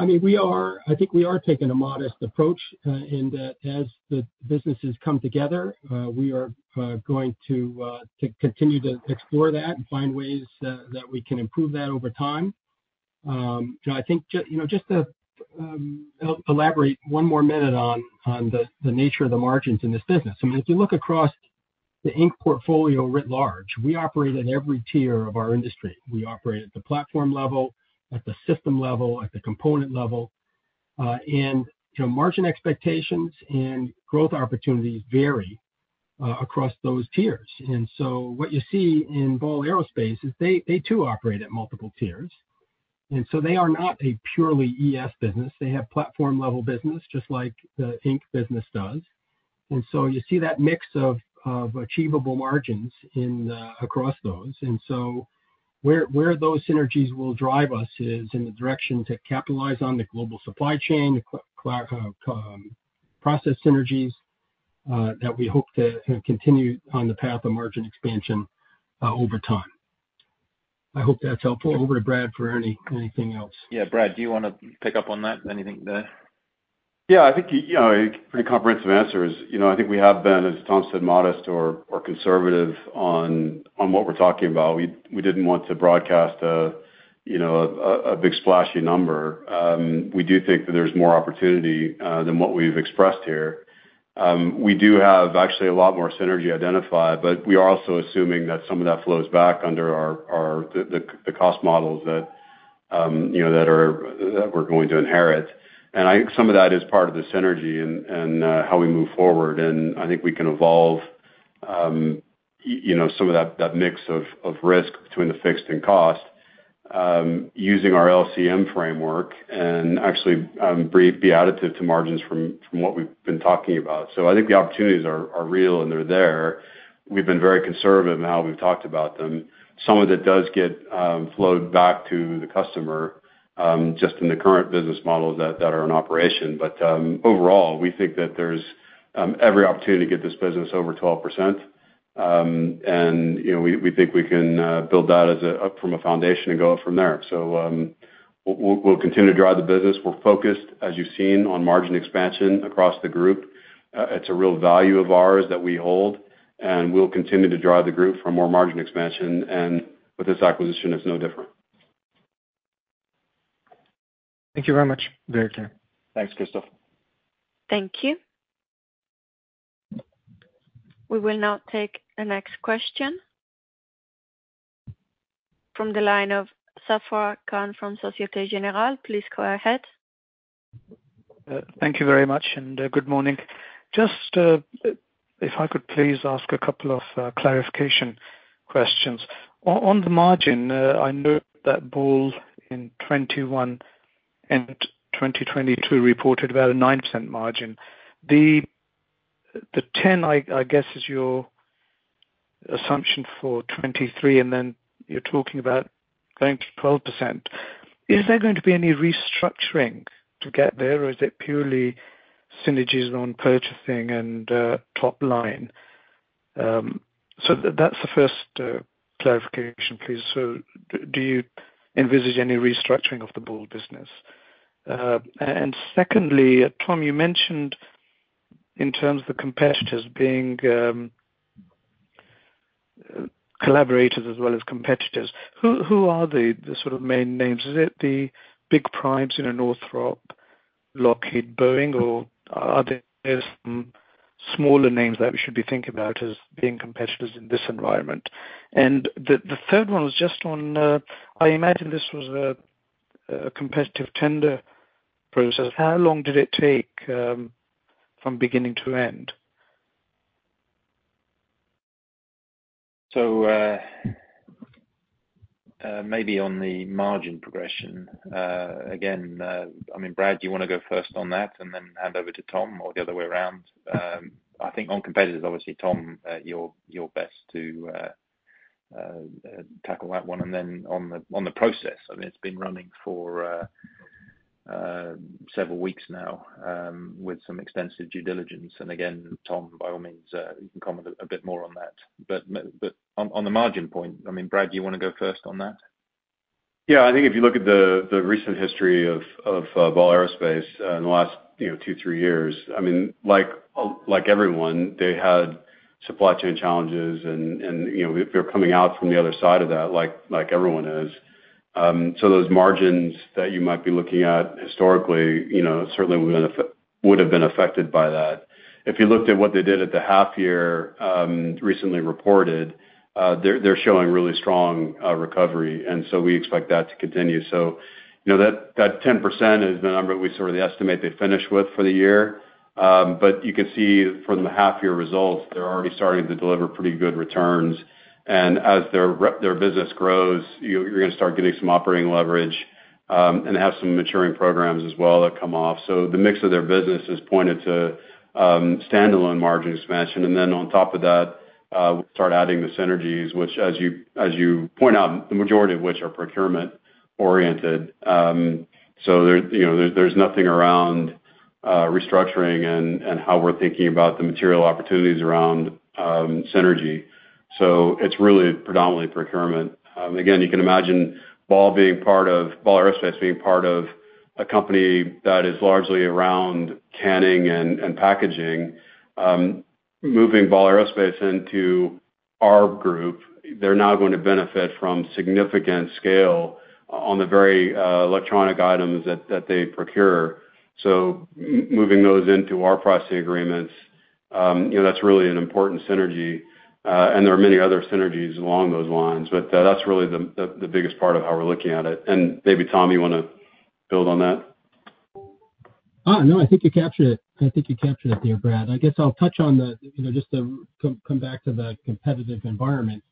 mean, we are, I think we are taking a modest approach, and, as the businesses come together, we are going to continue to explore that and find ways that we can improve that over time. I think you know, just to elaborate one more minute on the, the nature of the margins in this business. I mean, if you look across the Inc. portfolio writ large, we operate at every tier of our industry. We operate at the platform level, at the system-level, at the component-level, and, you know, margin expectations and growth opportunities vary across those tiers. And so what you see in Boeing Aerospace is they, they too operate at multiple tiers, and so they are not a purely ES business. They have platform-level business, just like the Inc. business does. So you see that mix of, of achievable margins in across those. So where, where those synergies will drive us is in the direction to capitalize on the global supply chain, the process synergies that we hope to continue on the path of margin expansion over time. I hope that's helpful. Over to Brad for any, anything else. Yeah, Brad, do you wanna pick up on that? Anything there? Yeah, I think, you know, pretty comprehensive answer is, you know, I think we have been, as Tom said, modest or, or conservative on, on what we're talking about. We, we didn't want to broadcast a, you know, a, a big splashy number. We do think that there's more opportunity than what we've expressed here. We do have actually a lot more synergy identified, but we are also assuming that some of that flows back under our, our, the, the, the cost models that, you know, that we're going to inherit. I think some of that is part of the synergy and, and, how we move forward, and I think we can evolve, you know, some of that, that mix of, of risk between the fixed and cost, using our LCM framework, and actually, be additive to margins from, from what we've been talking about. I think the opportunities are, are real, and they're there. We've been very conservative in how we've talked about them. Some of it does get, flowed back to the customer, just in the current business models that, that are in operation. Overall, we think that there's, every opportunity to get this business over 12%. And, you know, we, we think we can, build that as a, up from a foundation and go up from there. We'll, we'll, we'll continue to drive the business. We're focused, as you've seen, on margin expansion across the group. It's a real value of ours that we hold, and we'll continue to drive the group for more margin expansion, and with this acquisition, it's no different. Thank you very much. Very clear. Thanks, Christophe. Thank you. We will now take the next question from the line of Zafar Khan from Société Générale. Please go ahead. Thank you very much, good morning. Just, if I could please ask a couple of clarification questions. On the margin, I know that Ball in 2021 and 2022 reported about a 9% margin. The 10, I guess, is your assumption for 2023, and then you're talking about going to 12%. Is there going to be any restructuring to get there, or is it purely synergies on purchasing and top line? That's the first clarification, please. Do you envisage any restructuring of the Ball business? Secondly, Tom, you mentioned in terms of the competitors being collaborators as well as competitors, who are the sort of main names? Is it the big primes, you know, Northrop, Lockheed, Boeing, or are there some smaller names that we should be thinking about as being competitors in this environment? The, the third one was just on, I imagine this was a, a competitive tender process. How long did it take from beginning to end? Maybe on the margin progression, again, I mean, Brad, do you wanna go first on that and then hand over to Tom or the other way around? I think on competitors, obviously, Tom, you're, you're best to tackle that one, and then on the, on the process, I mean, it's been running for several weeks now, with some extensive due diligence. Again, Tom, by all means, you can comment a bit more on that. On, on the margin point, I mean, Brad, do you wanna go first on that? Yeah, I think if you look at the, the recent history of, of, Ball Aerospace, in the last, you know, two, three years, I mean, like, like everyone, they had supply chain challenges, and, and, you know, they're coming out from the other side of that like, like everyone is. Those margins that you might be looking at historically, you know, certainly would have been affected by that. If you looked at what they did at the half year, recently reported, they're, they're showing really strong, recovery, and we expect that to continue. You know, that, that 10% is the number we sort of estimate they finish with for the year. You can see from the half-year results, they're already starting to deliver pretty good returns. As their their business grows, you're, you're gonna start getting some operating leverage, and have some maturing programs as well that come off. The mix of their business is pointed to, standalone margin expansion. Then on top of that, we start adding the synergies, which as you, as you point out, the majority of which are procurement-oriented. There, you know, there's, there's nothing around restructuring and, and how we're thinking about the material opportunities around synergy. It's really predominantly procurement. Again, you can imagine Ball being part of-- Ball Aerospace being part of a company that is largely around canning and, and packaging. Moving Ball Aerospace into our group, they're now going to benefit from significant scale on the very electronic items that, that they procure. Moving those into our pricing agreements, you know, that's really an important synergy. There are many other synergies along those lines. That's really the, the, the biggest part of how we're looking at it. Maybe, Tom, you wanna build on that? No, I think you captured it. I think you captured it there, Brad. I guess I'll touch on the, you know, just to come, come back to the competitive environment.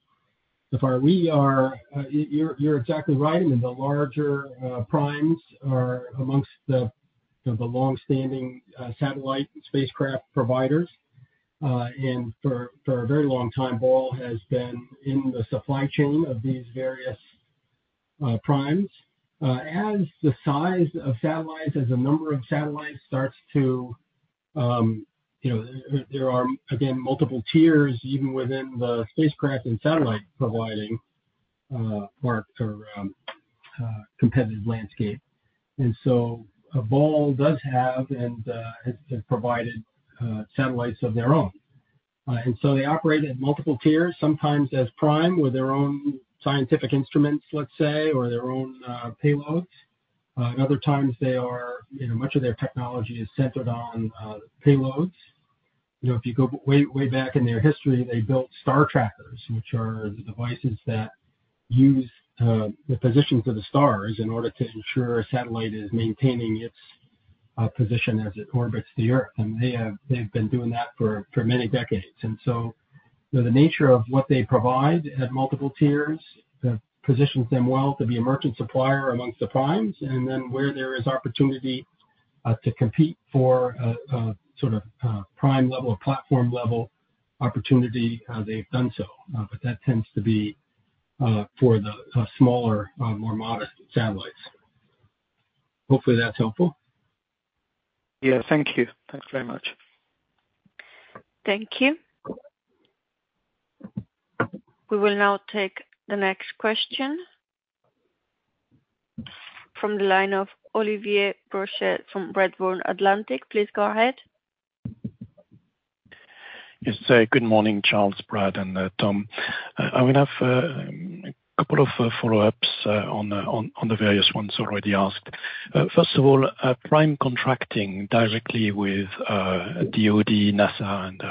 The far we are, you're, you're exactly right. I mean, the larger primes are amongst the, the longstanding satellite spacecraft providers. For, for a very long time, Ball has been in the supply chain of these various primes. As the size of satellites, as the number of satellites starts to, you know, there are, again, multiple tiers even within the spacecraft and satellite market or competitive landscape. So, Ball does have and has, has provided satellites of their own. So they operate at multiple tiers, sometimes as prime with their own scientific instruments, let's say, or their own payloads. Other times they are, you know, much of their technology is centered on payloads. You know, if you go way, way back in their history, they built star trackers, which are the devices that use the positions of the stars in order to ensure a satellite is maintaining its position as it orbits the Earth. They've been doing that for many decades. The nature of what they provide at multiple tiers positions them well to be a merchant supplier amongst the primes, and then where there is opportunity to compete for a sort of prime level or platform-level opportunity, they've done so. That tends to be for the smaller, more modest satellites. Hopefully, that's helpful. Yeah, thank you. Thanks very much. Thank you. We will now take the next question from the line of Olivier Brochet from Redburn Atlantic. Please go ahead. Yes. Good morning, Charles, Brad, and Tom. I would have a couple of follow-ups on the various ones already asked. First of all, prime contracting directly with DoD, NASA, and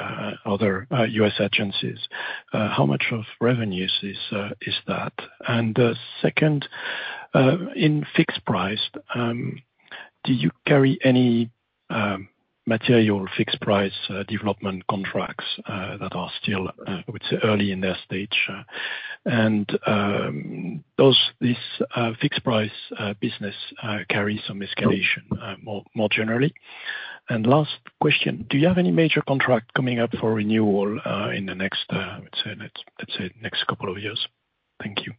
other U.S. agencies, how much of revenues is that? Second, in fixed-price, do you carry any material or fixed-price development contracts that are still, I would say, early in their stage? And does this fixed-price business carry some escalation more generally? And last question, do you have any major contract coming up for renewal in the next, let's say next couple of years? Thank you.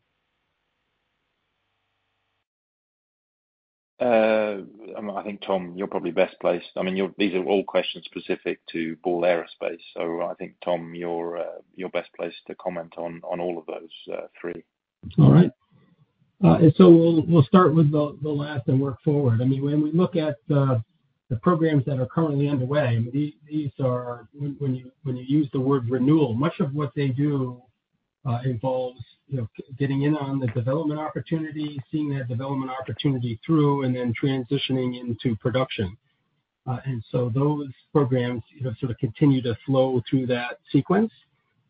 I think, Tom, you're probably best placed. I mean, these are all questions specific to Ball Aerospace, so I think, Tom, you're best placed to comment on, on all of those, three. All right. We'll, we'll start with the, the last and work forward. I mean, when we look at the, the programs that are currently underway, these, these are... When, when you, when you use the word renewal, much of what they do involves, you know, getting in on the development opportunity, seeing that development opportunity through, and then transitioning into production. Those programs, you know, sort of continue to flow through that sequence.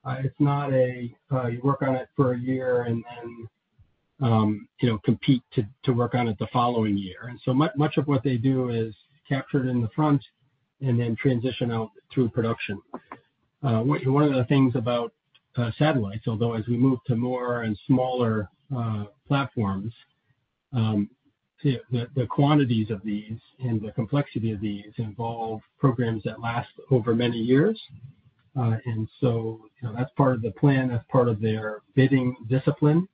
It's not a, you work on it for a year and then, you know, compete to, to work on it the following year. Much of what they do is captured in the front and then transition out through production. One, one of the things about satellites, although as we move to more and smaller platforms, the, the, the quantities of these and the complexity of these involve programs that last over many years. You know, that's part of the plan, that's part of their bidding discipline,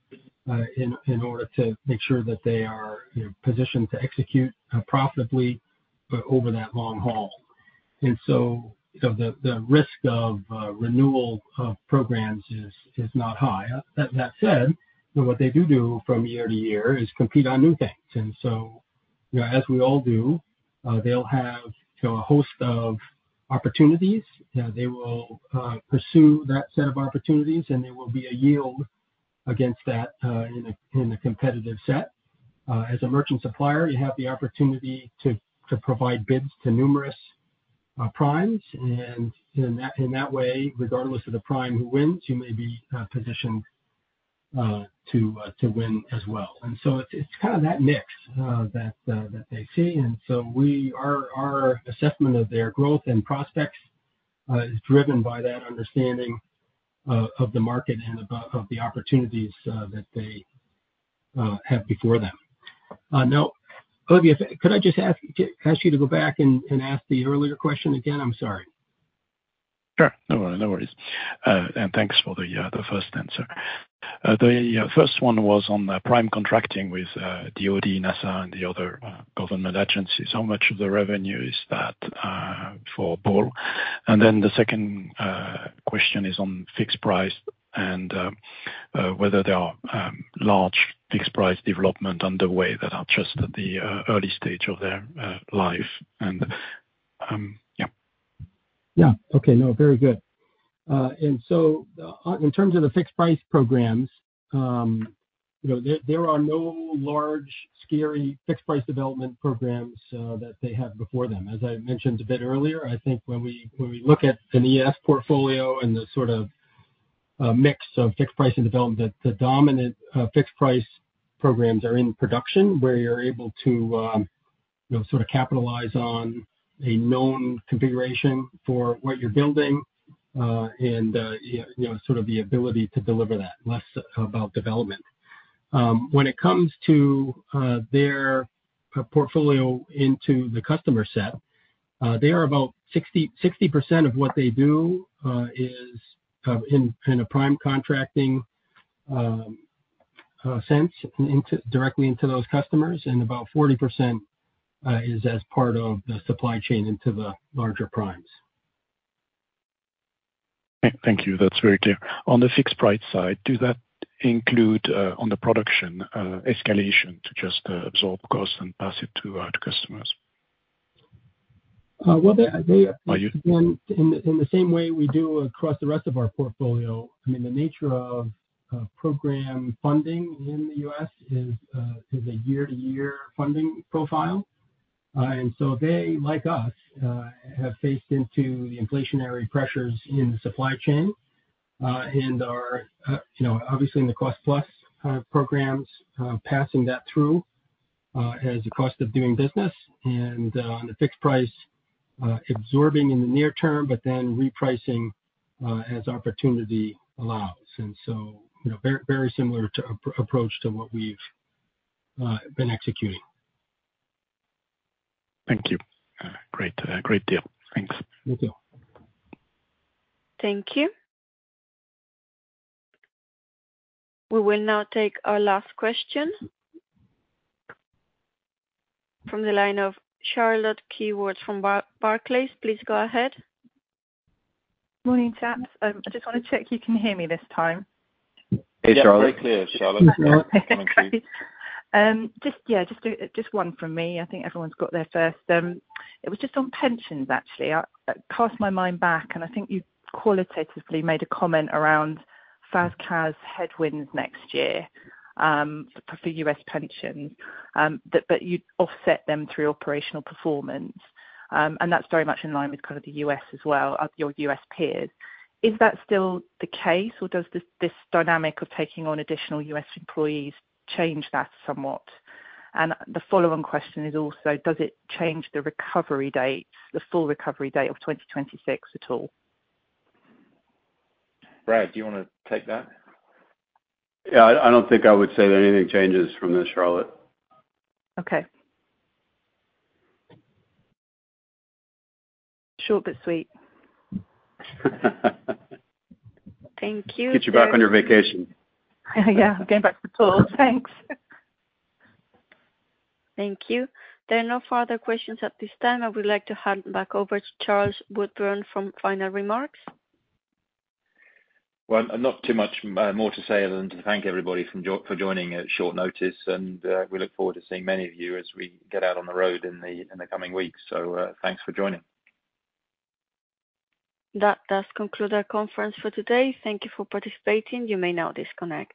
in, in order to make sure that they are, you know, positioned to execute profitably, but over that long haul. You know, the, the risk of renewal of programs is, is not high. That, that said, what they do do from year to year is compete on new things. You know, as we all do, they'll have, you know, a host of opportunities. They will pursue that set of opportunities, and there will be a yield against that in a, in the competitive set. As a merchant supplier, you have the opportunity to, to provide bids to numerous primes, and in that, in that way, regardless of the prime who wins, you may be positioned to win as well. It's, it's kind of that mix that they see. Our, our assessment of their growth and prospects is driven by that understanding of the market and of, of the opportunities that they have before them. Now, Olivier, could I just ask you, ask you to go back and, and ask the earlier question again? I'm sorry. Sure. No worry, no worries. Thanks for the 1st answer. The 1st one was on the prime contracting with DoD, NASA, and the other government agencies. How much of the revenue is that for Ball? Then the 2nd question is on fixed price and whether there are large fixed price development underway that are just at the early stage of their life. Yeah. Yeah. Okay. No, very good. In terms of the fixed-price programs, you know, there, there are no large, scary fixed-price development programs that they have before them. As I mentioned a bit earlier, I think when we, when we look at an ES portfolio and the sort of mix of fixed-price and development, the dominant fixed-price programs are in production, where you're able to, you know, sort of capitalize on a known configuration for what you're building, and, you, you know, sort of the ability to deliver that. Less about development. When it comes to their portfolio into the customer set, they are about 60... 60% of what they do, is, in, in a prime contracting, sense, directly into those customers, and about 40%, is as part of the supply chain into the larger primes. Thank you. That's very clear. On the fixed-price side, do that include, on the production, escalation to just, absorb costs and pass it to, to customers? Well, they... Are you? In, in the same way we do across the rest of our portfolio. I mean, the nature of program funding in the U.S. is a year-to-year funding profile. So they, like us, have faced into the inflationary pressures in the supply chain, and are, you know, obviously in the cost-plus programs, passing that through as a cost of doing business and on the fixed-price, absorbing in the near term, but then repricing as opportunity allows. So, you know, very, very similar to approach to what we've been executing. Thank you. Great, great deal. Thanks. You too. Thank you. We will now take our last question. From the line of Charlotte Keywood from Barclays. Please go ahead. Morning, gents. I just want to check you can hear me this time? Hey, Charlotte. Yeah, very clear, Charlotte. Great. Just yeah, just one from me. I think everyone's got their first. It was just on pensions actually. I, I cast my mind back, and I think you qualitatively made a comment around FAS/CAS headwinds next year for the U.S. pensions. You offset them through operational performance. That's very much in line with kind of the U.S. as well, of your U.S. peers. Is that still the case, or does this dynamic of taking on additional U.S. employees change that somewhat? The follow-on question is also, does it change the recovery date, the full recovery date of 2026 at all? Brad, do you wanna take that? Yeah, I, I don't think I would say that anything changes from this, Charlotte. Okay. Short but sweet. Thank you. Get you back on your vacation. Yeah, I'm going back to pool. Thanks. Thank you. There are no further questions at this time. I would like to hand back over to Charles Woodburn for final remarks. Not too much more to say other than to thank everybody for joining at short notice, and we look forward to seeing many of you as we get out on the road in the coming weeks. Thanks for joining. That does conclude our conference for today. Thank you for participating. You may now disconnect.